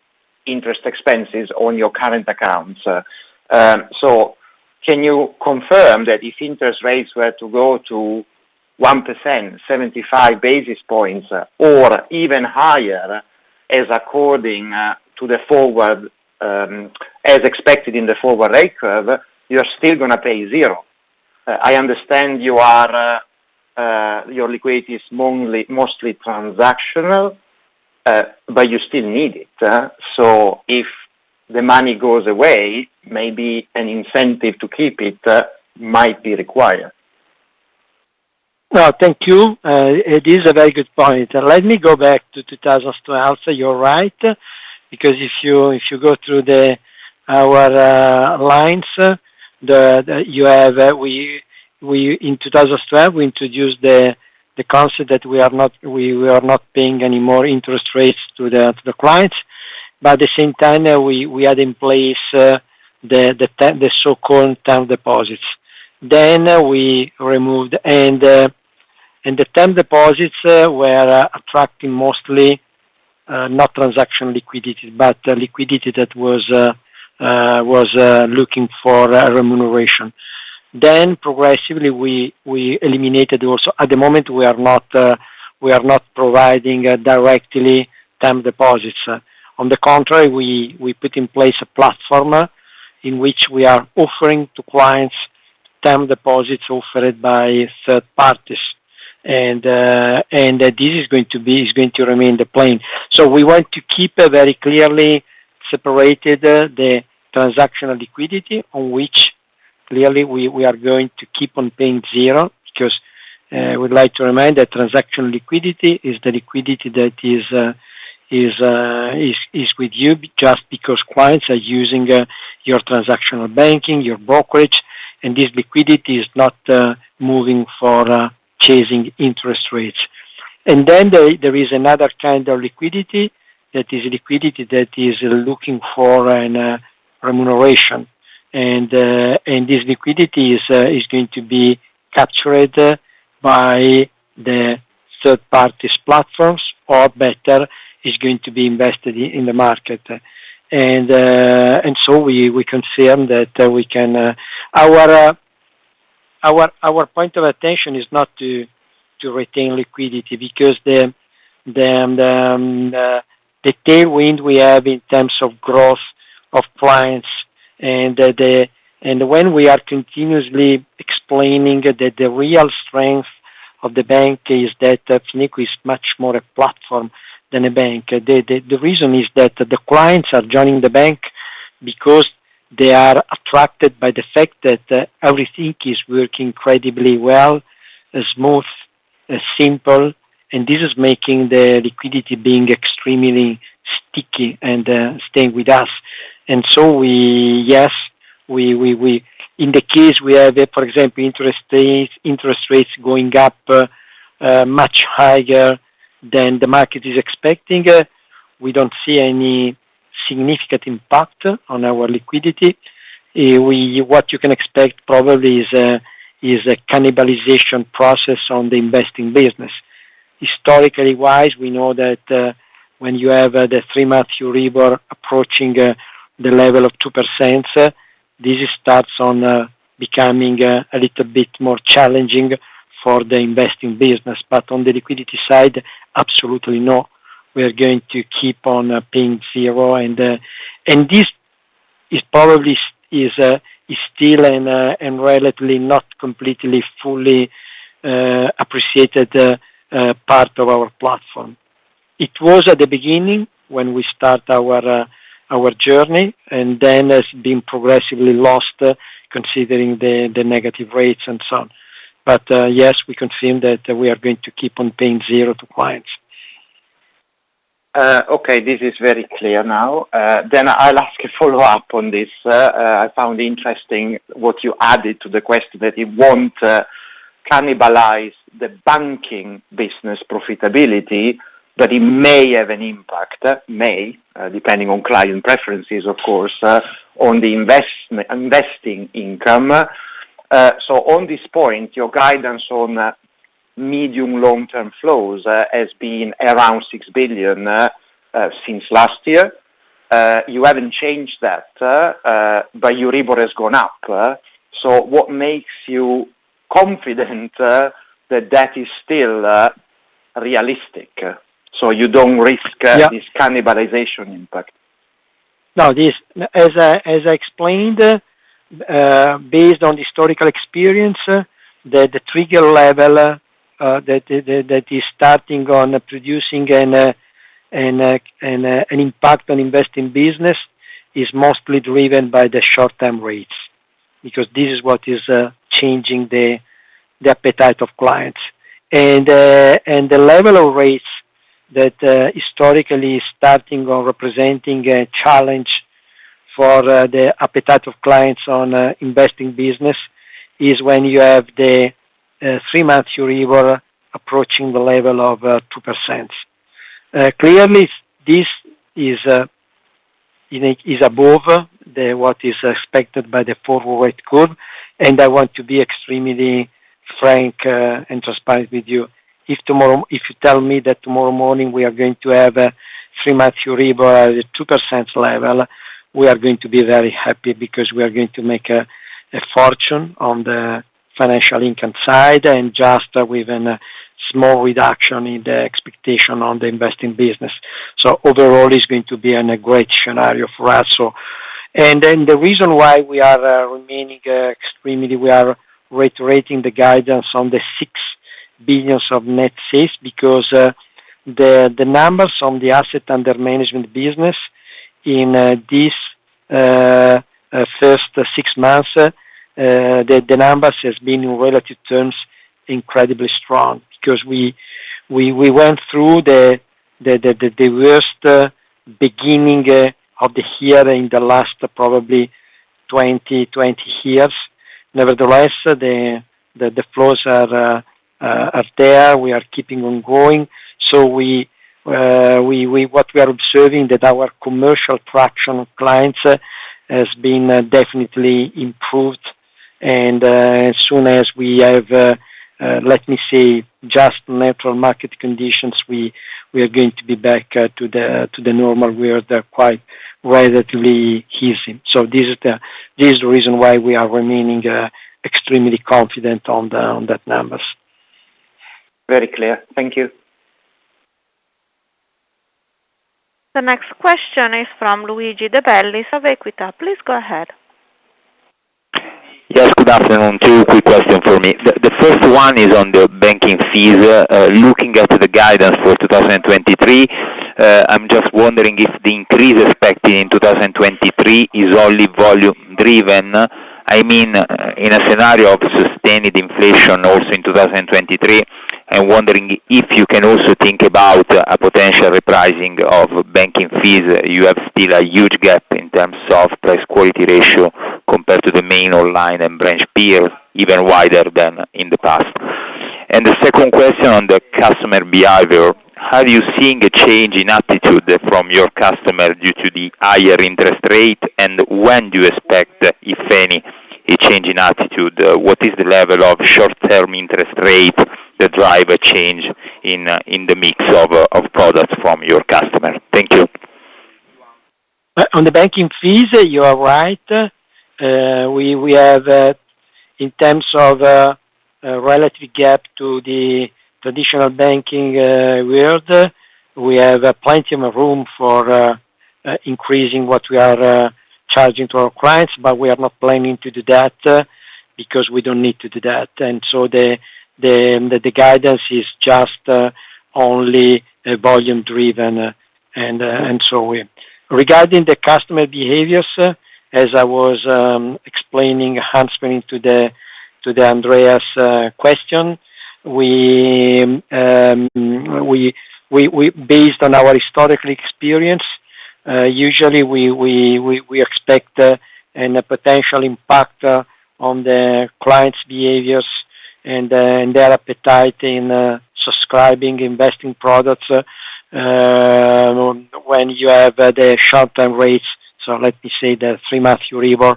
interest expenses on your current accounts. Can you confirm that if interest rates were to go to 1%, 75 basis points, or even higher, as according to the forward, as expected in the forward rate curve, you're still gonna pay zero? I understand your liquidity is mostly transactional, but you still need it. If the money goes away, maybe an incentive to keep it might be required. No, thank you. It is a very good point. Let me go back to 2012. You're right, because if you go through our slides that you have, in 2012, we introduced the concept that we are not paying any more interest rates to the clients. At the same time, we had in place the so-called term deposits. We removed. The term deposits were attracting mostly not transactional liquidity, but liquidity that was looking for remuneration. Progressively we eliminated also. At the moment, we are not providing directly term deposits. On the contrary, we put in place a platform in which we are offering to clients term deposits offered by third parties. This is going to remain the plan. We want to keep very clearly separated the transactional liquidity on which. Clearly, we are going to keep on paying zero because I would like to remind that transactional liquidity is the liquidity that is with you just because clients are using your transactional banking, your brokerage, and this liquidity is not moving for chasing interest rates. Then there is another kind of liquidity that is looking for a remuneration. This liquidity is going to be captured by the third party's platforms or better is going to be invested in the market. We confirm that we can. Our point of attention is not to retain liquidity because the tailwind we have in terms of growth of clients. When we are continuously explaining that the real strength of the bank is that Fineco is much more a platform than a bank. The reason is that the clients are joining the bank because they are attracted by the fact that everything is working incredibly well, is smooth, is simple, and this is making the liquidity being extremely sticky and staying with us. Yes, in case we have, for example, interest rates going up much higher than the market is expecting, we don't see any significant impact on our liquidity. What you can expect probably is a cannibalization process on the investing business. Historically wise, we know that when you have the three-month Euribor approaching the level of 2%, this starts becoming a little bit more challenging for the investing business. But on the liquidity side, absolutely no. We are going to keep on paying zero. This is probably still relatively not completely fully appreciated part of our platform. It was at the beginning when we start our journey, and then has been progressively lost, considering the negative rates and so on. Yes, we confirm that we are going to keep on paying zero to clients. Okay, this is very clear now. I'll ask a follow-up on this. I found interesting what you added to the question, that it won't cannibalize the banking business profitability, but it may have an impact, depending on client preferences, of course, on the investing income. On this point, your guidance on medium long-term flows has been around 6 billion since last year. You haven't changed that, but Euribor has gone up. What makes you confident that that is still realistic so you don't risk- Yeah. This cannibalization impact? No. As I explained, based on historical experience, the trigger level that is starting to produce an impact on investing business is mostly driven by the short-term rates. Because this is what is changing the appetite of clients. The level of rates that historically starting to represent a challenge for the appetite of clients on investing business is when you have the three-month Euribor approaching the level of 2%. Clearly this is above what is expected by the forward rate curve. I want to be extremely frank and transparent with you. If tomorrow If you tell me that tomorrow morning we are going to have a three-month Euribor at a 2% level, we are going to be very happy because we are going to make a fortune on the financial income side and just with a small reduction in the expectation on the investing business. Overall is going to be a great scenario for us. The reason why we are remaining extremely, we are reiterating the guidance on the 6 billion of net sales because the numbers on the Assets Under Management business in this first six months, the numbers has been in relative terms, incredibly strong. Because we went through the worst beginning of the year in the last probably 20 years. Nevertheless, the flows are there. We are keeping on going. What we are observing that our commercial traction of clients has been definitely improved. As soon as we have, let me say, just natural market conditions, we are going to be back to the normal. We are quite relatively easing. This is the reason why we are remaining extremely confident on that numbers. Very clear. Thank you. The next question is from Luigi De Bellis of Equita. Please go ahead. Yes, good afternoon. Two quick question for me. The first one is on the banking fees. Looking at the guidance for 2023, I'm just wondering if the increase expected in 2023 is only volume driven. I mean, in a scenario of sustained inflation also in 2023, I'm wondering if you can also think about a potential repricing of banking fees. You have still a huge gap in terms of price quality ratio compared to the main online and branch peer, even wider than in the past. The second question on the customer behavior, are you seeing a change in attitude from your customer due to the higher interest rate? When do you expect, if any, a change in attitude? What is the level of short-term interest rate that drive a change in the mix of products from your customer? Thank you. On the banking fees, you are right. We have, in terms of relative gap to the traditional banking world, plenty of room for increasing what we are charging to our clients, but we are not planning to do that because we don't need to do that. The guidance is just only volume driven. Regarding the customer behaviors, as I was explaining, answering Andrea's question, we, based on our historical experience, usually expect a potential impact on the clients' behaviors and their appetite in subscribing investment products when you have the short-term rates. Let me say the three-month Euribor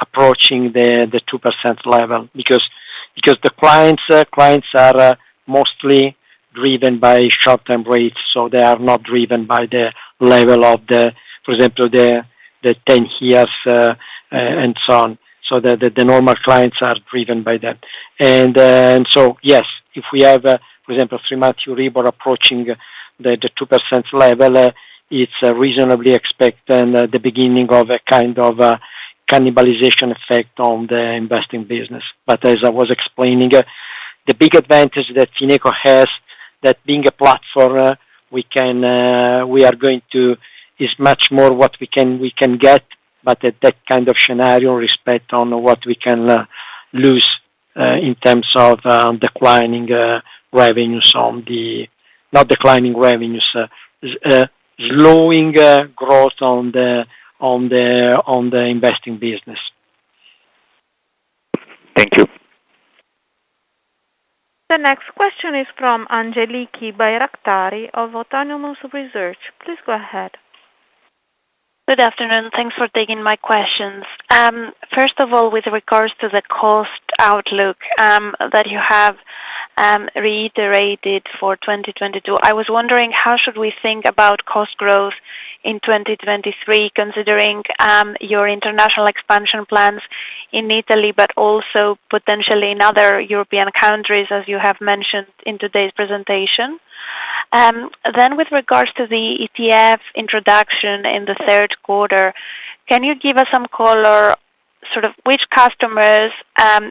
approaching the 2% level. Because the clients are mostly driven by short-term rates, so they are not driven by the level of, for example, the 10-year and so on. The normal clients are driven by that. Yes, if we have, for example, three-month Euribor approaching the 2% level, it's reasonably expected the beginning of a kind of a cannibalization effect on the investing business. As I was explaining, the big advantage that Fineco has that being a platform, we can. It's much more what we can get, but that kind of scenario with respect to what we can lose in terms of declining revenues on the. Not declining revenues, slowing growth on the investing business. Thank you. The next question is from Angeliki Bayraktari of Autonomous Research. Please go ahead. Good afternoon. Thanks for taking my questions. First of all, with regards to the cost outlook, that you have, reiterated for 2022, I was wondering how should we think about cost growth in 2023, considering, your international expansion plans in Italy, but also potentially in other European countries, as you have mentioned in today's presentation? With regards to the ETF introduction in the third quarter, can you give us some color, sort of which customers,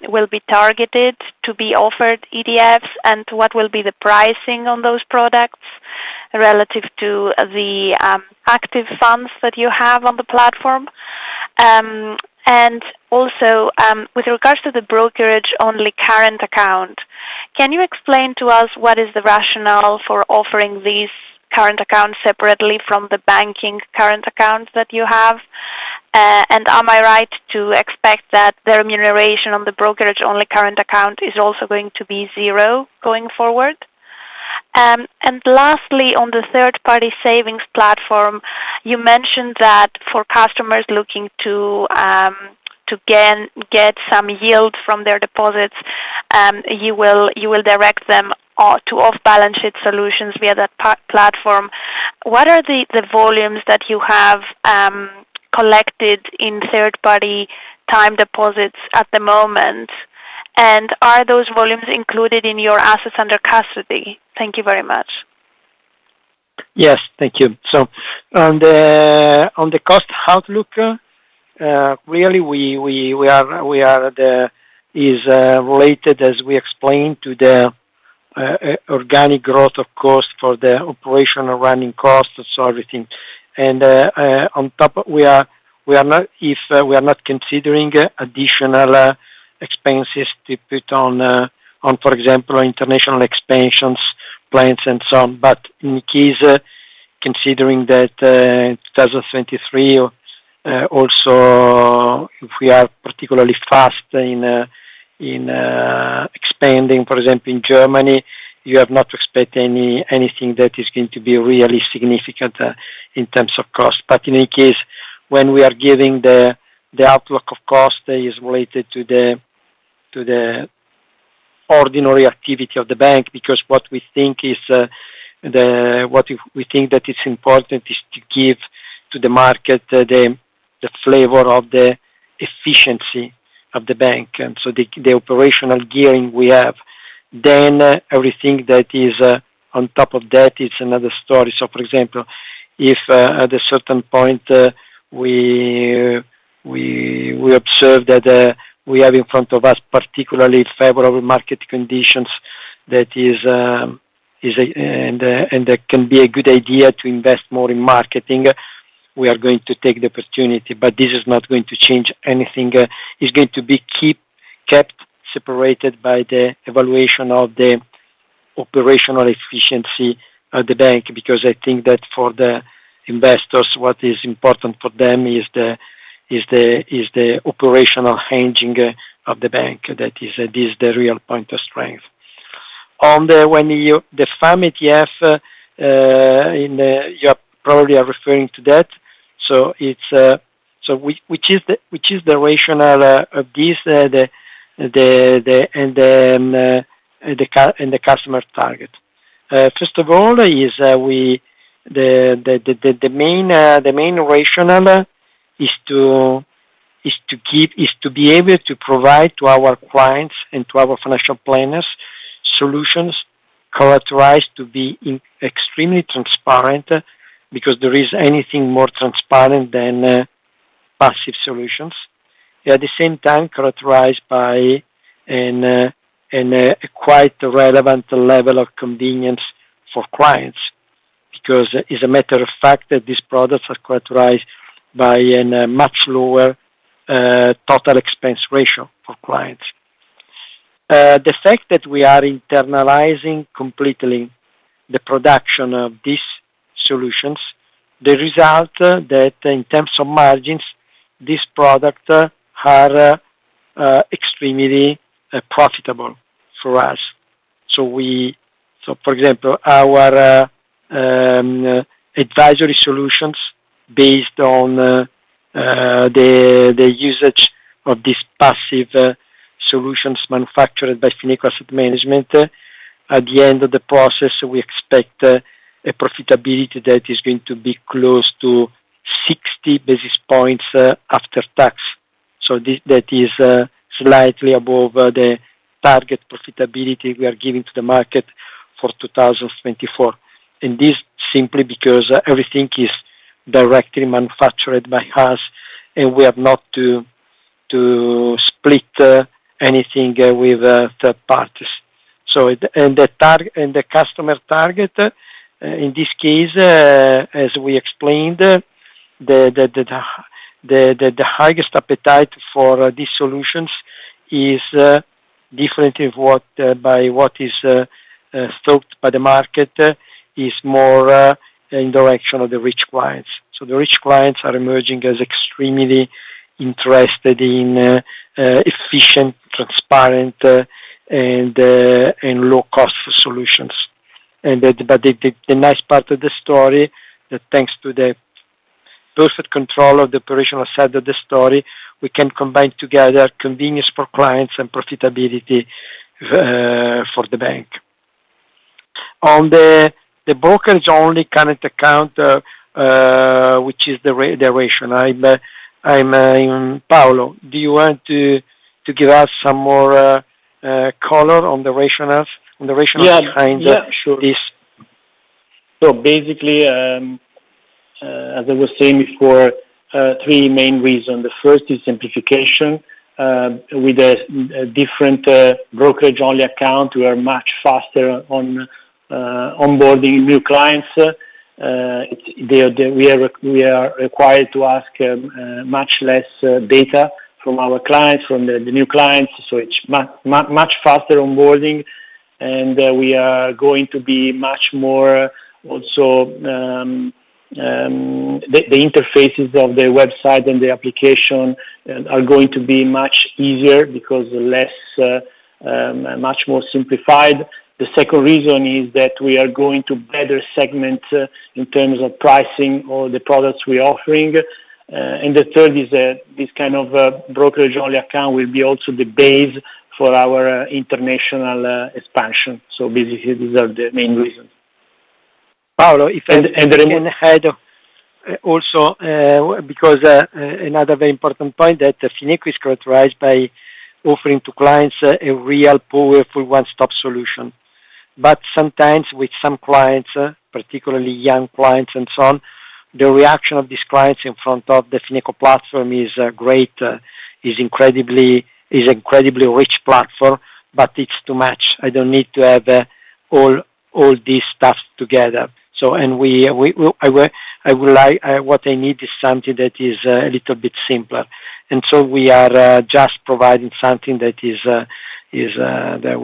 will be targeted to be offered ETFs and what will be the pricing on those products relative to the, active funds that you have on the platform? With regards to the brokerage-only current account, can you explain to us what is the rationale for offering these current accounts separately from the banking current accounts that you have? Am I right to expect that the remuneration on the brokerage-only current account is also going to be zero going forward? Lastly, on the third-party savings platform, you mentioned that for customers looking to get some yield from their deposits, you will direct them to off-balance sheet solutions via that platform. What are the volumes that you have collected in third party time deposits at the moment? Are those volumes included in your assets under custody? Thank you very much. Yes. Thank you. On the cost outlook, really, it is related, as we explained to the organic growth, of course, for the operational running costs of everything. On top, we are not. If we are not considering additional expenses to put on, for example, international expansions, plans and so on. In case, considering that in 2023, also if we are particularly fast in expanding, for example, in Germany, you have not expect anything that is going to be really significant in terms of cost. In any case, when we are giving the outlook of cost is related to the ordinary activity of the bank, because what we think is the. What we think that is important is to give to the market the flavor of the efficiency of the bank, and the operational gearing we have. Everything that is on top of that is another story. For example, if at a certain point we observe that we have in front of us particularly favorable market conditions and that can be a good idea to invest more in marketing. We are going to take the opportunity, but this is not going to change anything. It's going to be kept separated by the evaluation of the operational efficiency of the bank, because I think that for the investors, what is important for them is the operational gearing of the bank. That is, this is the real point of strength. The FAM ETF. You probably are referring to that. Which is the rationale of this and the customer target. First of all, the main rationale is to be able to provide to our clients and to our financial planners solutions characterized to be extremely transparent, because there isn't anything more transparent than passive solutions. At the same time, characterized by a quite relevant level of convenience for clients, because as a matter of fact, these products are characterized by a much lower Total Expense Ratio for clients. The fact that we are internalizing completely the production of these solutions, the result that in terms of margins, these products are extremely profitable for us. For example, our advisory solutions based on the usage of these passive solutions manufactured by Fineco Asset Management, at the end of the process, we expect a profitability that is going to be close to 60 basis points after tax. That is slightly above the target profitability we are giving to the market for 2024. This simply because everything is directly manufactured by us, and we have not to split anything with third parties. The customer target, in this case, as we explained, the highest appetite for these solutions is different from what is sought by the market, is more in the direction of the rich clients. The rich clients are emerging as extremely interested in efficient, transparent, and low cost solutions. The nice part of the story, that thanks to the perfect control of the operational side of the story, we can combine together convenience for clients and profitability for the bank. On the brokerage-only current account, which is the rationale. Paolo, do you want to give us some more color on the rationale behind this? Yeah. Yeah, sure. Basically, as I was saying before, three main reasons. The first is simplification. With a different brokerage-only account, we are much faster on onboarding new clients. We are required to ask much less data from our clients, from the new clients. It's much faster onboarding, and we are going to be much more also. The interfaces of the website and the application are going to be much easier because less, much more simplified. The second reason is that we are going to better segment in terms of pricing all the products we're offering. The third is this kind of brokerage-only account will be also the base for our international expansion. Basically, these are the main reasons. Paolo, if I can add also, because another very important point that Fineco is characterized by offering to clients a real powerful one-stop solution. Sometimes with some clients, particularly young clients and so on, the reaction of these clients in front of the Fineco platform is great, is incredibly rich platform, but it's too much. I don't need to have all these stuff together. What I need is something that is a little bit simpler. We are just providing something that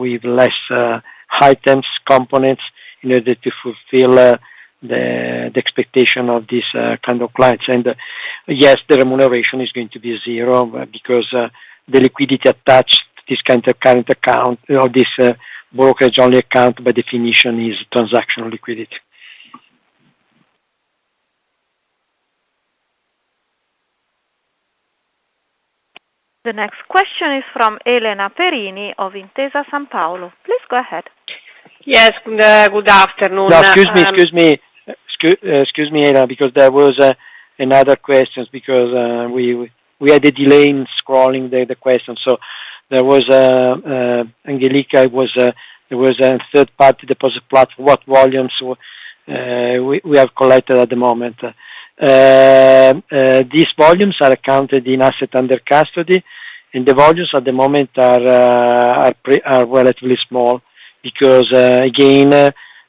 with less items, components in order to fulfill the expectation of these kind of clients. Yes, the remuneration is going to be zero because the liquidity attached to this kind of current account or this brokerage-only account by definition is transactional liquidity. The next question is from Elena Perini of Intesa Sanpaolo. Please go ahead. Yes, good afternoon. No, excuse me, Elena, because there was another question because we had a delay in scrolling the question. There was a third party deposit platform. What volumes we have collected at the moment. These volumes are accounted in Assets Under Custody, and the volumes at the moment are relatively small because again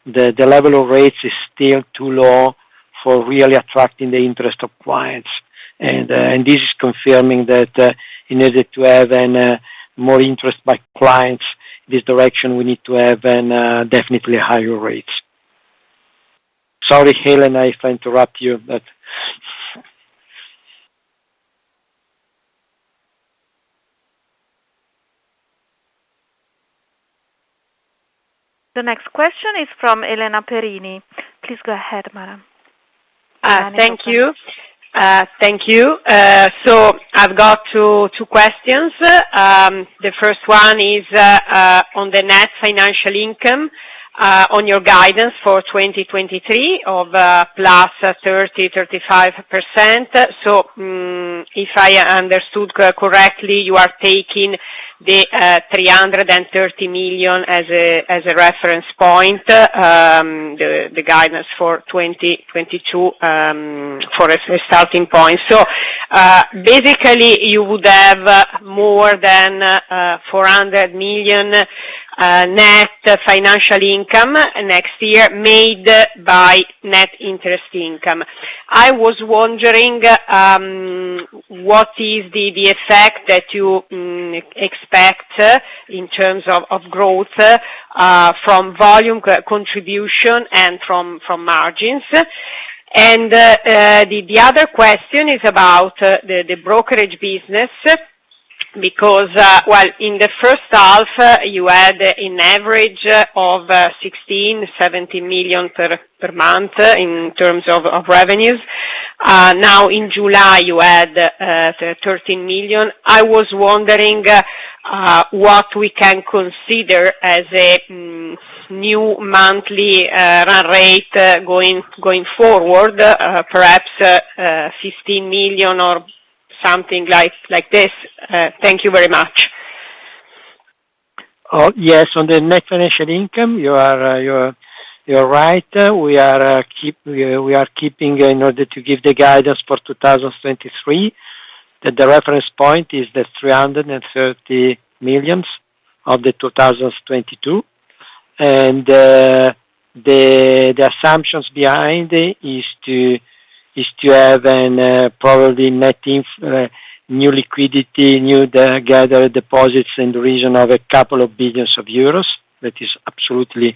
the level of rates is still too low for really attracting the interest of clients. This is confirming that in order to have more interest by clients, this direction, we need to have definitely higher rates. Sorry, Elena, I interrupt you, but. The next question is from Elena Perini. Please go ahead, madam. Thank you. Thank you. I've got two questions. The first one is on the net financial income on your guidance for 2023 of +35%. If I understood correctly, you are taking the 330 million as a reference point, the guidance for 2022 for a starting point. Basically you would have more than 400 million net financial income next year made by net interest income. I was wondering what is the effect that you expect in terms of growth from volume contribution and from margins. The other question is about the brokerage business because, well, in the first half, you had an average of 16-17 million per month in terms of revenues. Now in July, you had 13 million. I was wondering what we can consider as a new monthly run rate going forward, perhaps 15 million or something like this. Thank you very much. Yes. On the Net Financial Income, you're right. We are keeping in order to give the guidance for 2023, that the reference point is the 330 million of 2022. The assumptions behind is to have a probably net new liquidity, new gathered deposits in the region of a couple of billion EUR. That is absolutely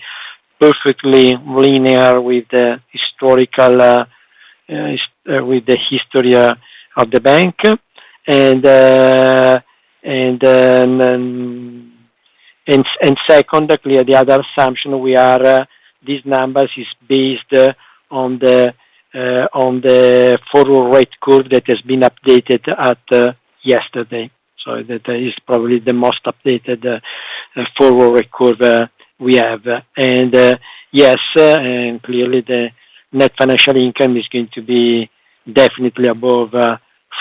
perfectly linear with the history of the bank. Secondly, the other assumption these numbers is based on the forward rate curve that has been updated yesterday. That is probably the most updated forward curve we have. Yes, clearly the net financial income is going to be definitely above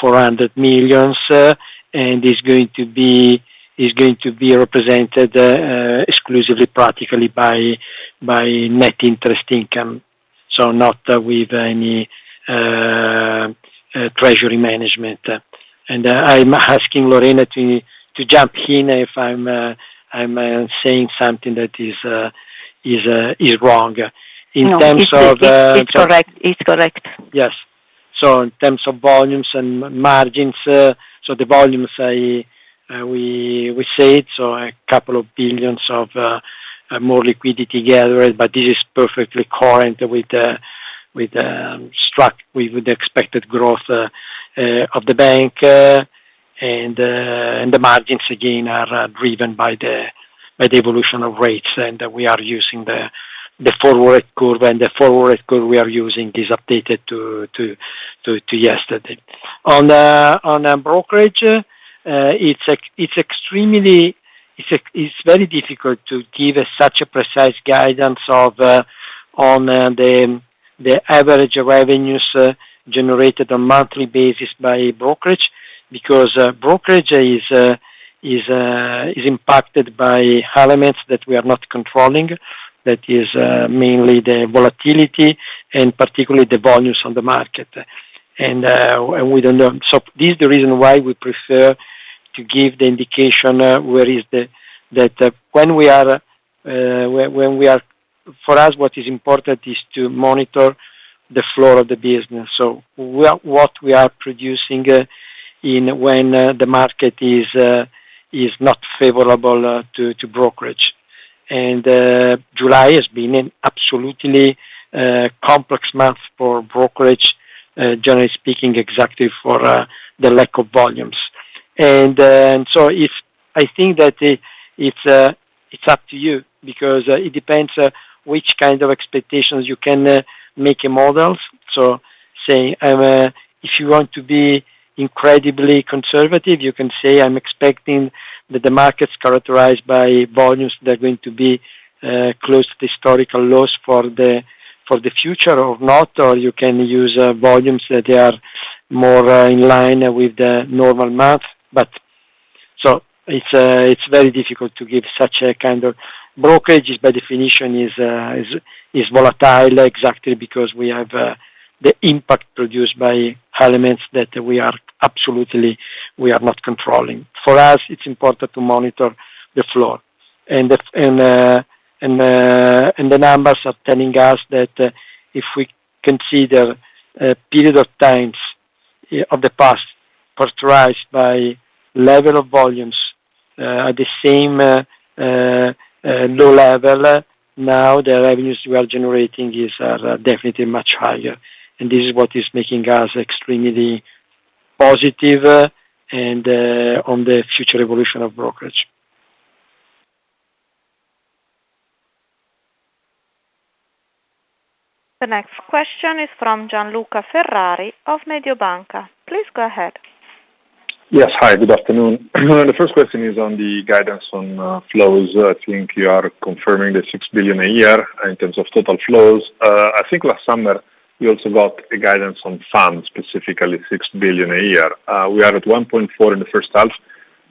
400 million, and is going to be represented exclusively, practically by net interest income, so not with any treasury management. I'm asking Lorena to jump in if I'm saying something that is wrong. In terms of. No, it's correct. It's correct. Yes. In terms of volumes and margins, we said a couple of billion EUR more liquidity gathered, but this is perfectly consistent with the expected growth of the bank. The margins again are driven by the evolution of rates. We are using the forward curve, and the forward curve we are using is updated to yesterday. On brokerage, it's very difficult to give such a precise guidance on the average revenues generated on monthly basis by brokerage. Because brokerage is impacted by elements that we are not controlling. That is mainly the volatility and particularly the volumes on the market. We don't know. This is the reason why we prefer to give the indication. That when we are. For us, what is important is to monitor the floor of the business. What we are producing in when the market is not favorable to brokerage. July has been an absolutely complex month for brokerage generally speaking, exactly for the lack of volumes. If I think that it's up to you because it depends which kind of expectations you can make in models. If you want to be incredibly conservative, you can say, I'm expecting that the market's characterized by volumes that are going to be close to historical lows for the future or not. Or you can use volumes that they are more in line with the normal mean. It's very difficult to give such a kind of brokerage by definition is volatile exactly because we have the impact produced by elements that we are absolutely not controlling. For us, it's important to monitor the floor. The numbers are telling us that if we consider a period of times of the past characterized by level of volumes at the same low level, now the revenues we are generating are definitely much higher. This is what is making us extremely positive and on the future evolution of brokerage. The next question is from Gianluca Ferrari of Mediobanca. Please go ahead. Yes. Hi, good afternoon. The first question is on the guidance on flows. I think you are confirming the 6 billion a year in terms of total flows. I think last summer you also got a guidance on funds, specifically 6 billion a year. We are at 1.4 billion in the first half.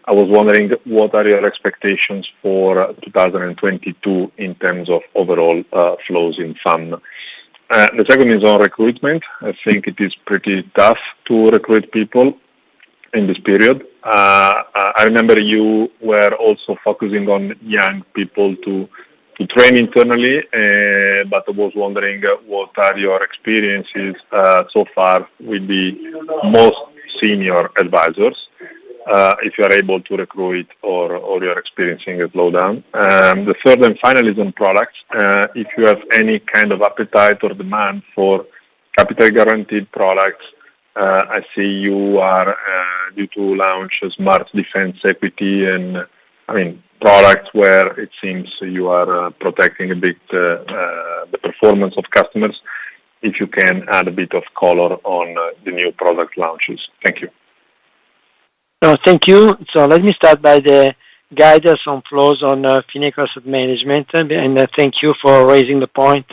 I was wondering what are your expectations for 2022 in terms of overall flows in fund? The second is on recruitment. I think it is pretty tough to recruit people in this period. I remember you were also focusing on young people to train internally, but I was wondering what are your experiences so far with the most senior advisors, if you are able to recruit or you are experiencing a slowdown? The third and final is on products, if you have any kind of appetite or demand for capital guaranteed products. I see you are due to launch a Smart Defence Equity and, I mean, products where it seems you are protecting a bit the performance of customers, if you can add a bit of color on the new product launches. Thank you. No, thank you. Let me start by the guidance on flows on Fineco Asset Management. Thank you for raising the point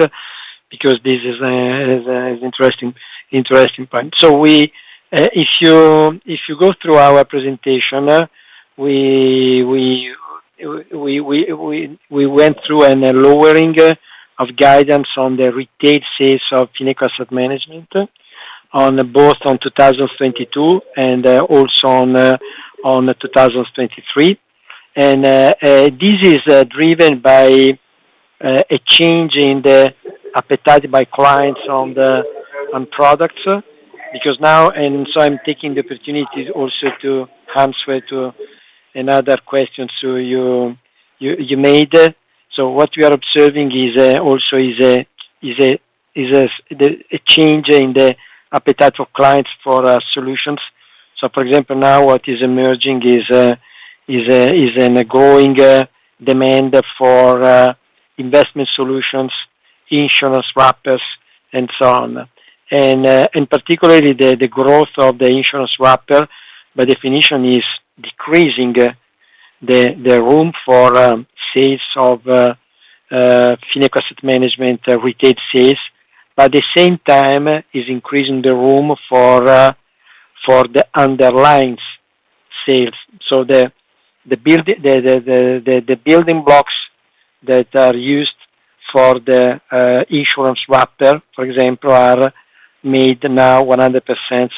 because this is an interesting point. If you go through our presentation, we went through a lowering of guidance on the retail sales of Fineco Asset Management on both 2022 and also on 2023. This is driven by a change in the appetite of clients for products. Now, I'm taking the opportunity also to answer to another question you made. What we are observing is also a change in the appetite of clients for solutions. For example, now what is emerging is a growing demand for investment solutions, insurance wrappers, and so on. In particular, the growth of the insurance wrapper, by definition is decreasing the room for sales of Fineco Asset Management retail sales. At the same time, is increasing the room for the underlying sales. The building blocks that are used for the insurance wrapper, for example, are made now 100%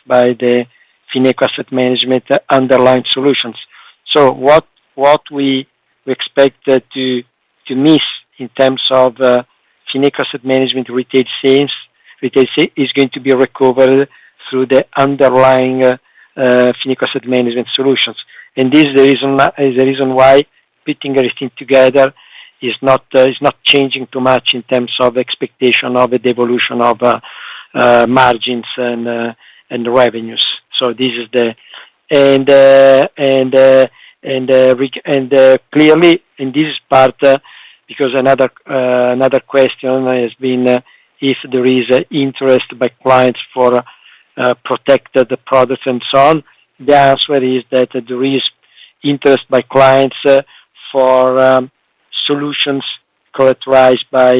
by the Fineco Asset Management underlying solutions. What we expect to miss in terms of Fineco Asset Management retail sales, we can say is going to be recovered through the underlying Fineco Asset Management solutions. This is the reason why putting everything together is not changing too much in terms of expectation of the evolution of margins and revenues. Clearly in this part, because another question has been if there is interest by clients for protected products and so on. The answer is that there is interest by clients for solutions characterized by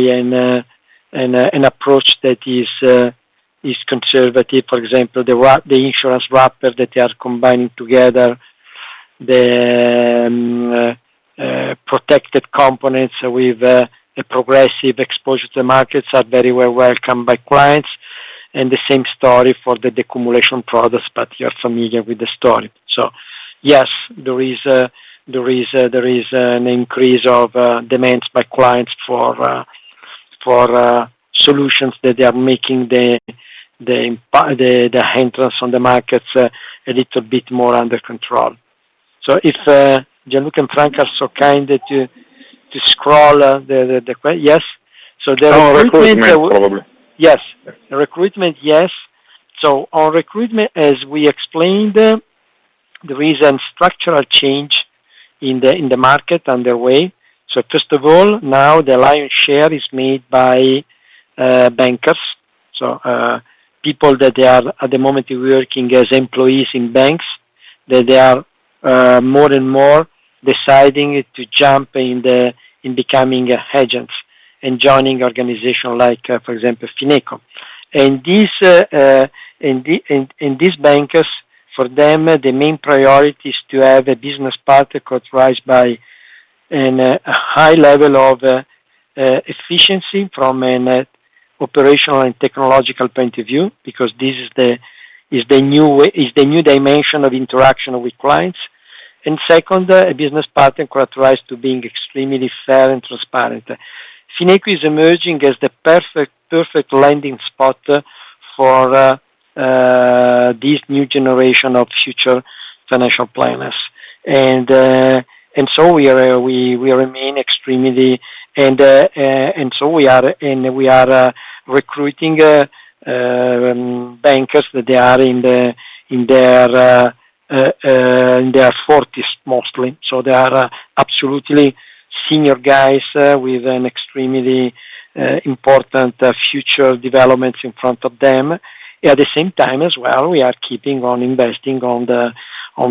an approach that is conservative. For example, the wrap, the insurance wrapper that they are combining together, the protected components with a progressive exposure to markets are very well welcomed by clients, and the same story for the deaccumulation products. You are familiar with the story. Yes, there is an increase of demands by clients for solutions that they are making the entrance on the markets a little bit more under control. If Gianluca and Frank are so kind to scroll the que- Yes. The recruitment- Recruitment probably. Yes. Recruitment, yes. Our recruitment, as we explained, there is a structural change in the market underway. First of all, now the lion's share is made by bankers. People that they are at the moment working as employees in banks that they are more and more deciding to jump in becoming agents and joining organizations like, for example, Fineco. These bankers, for them, the main priority is to have a business partner characterized by a high level of efficiency from an operational and technological point of view, because this is the new way, the new dimension of interaction with clients. Second, a business partner characterized to being extremely fair and transparent. Fineco is emerging as the perfect landing spot for this new generation of future financial planners. We are recruiting bankers that they are in their forties mostly. They are absolutely senior guys with an extremely important future developments in front of them. At the same time as well, we are keeping on investing on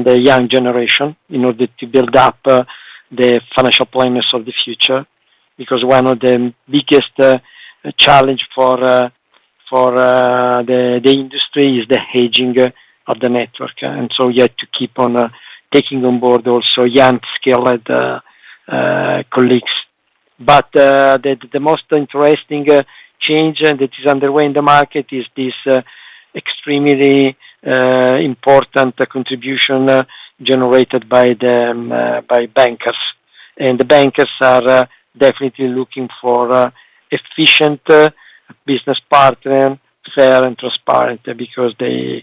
the young generation in order to build up the financial planners of the future. Because one of the biggest challenge for the industry is the aging of the network. We have to keep on taking on board also young skilled colleagues. The most interesting change that is underway in the market is this extremely important contribution generated by bankers. The bankers are definitely looking for efficient, fair and transparent business partner, because they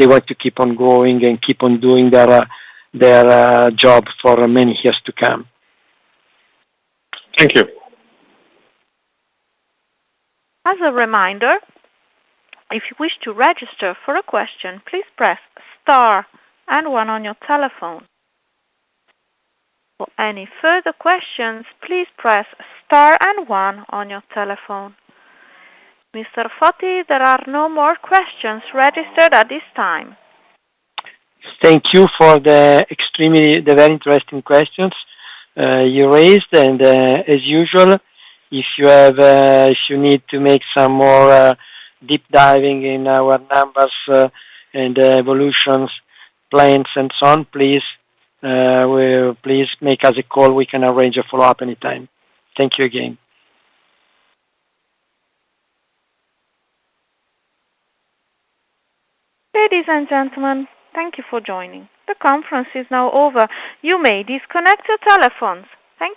want to keep on going and keep on doing their job for many years to come. Thank you. As a reminder, if you wish to register for a question, please press star and one on your telephone. For any further questions, please press star and one on your telephone. Mr. Foti, there are no more questions registered at this time. Thank you for the very interesting questions you raised. As usual, if you need to make some more deep diving in our numbers and evolutions, plans and so on, please make us a call, we can arrange a follow-up anytime. Thank you again. Ladies and gentlemen, thank you for joining. The conference is now over. You may disconnect your telephones. Thank you.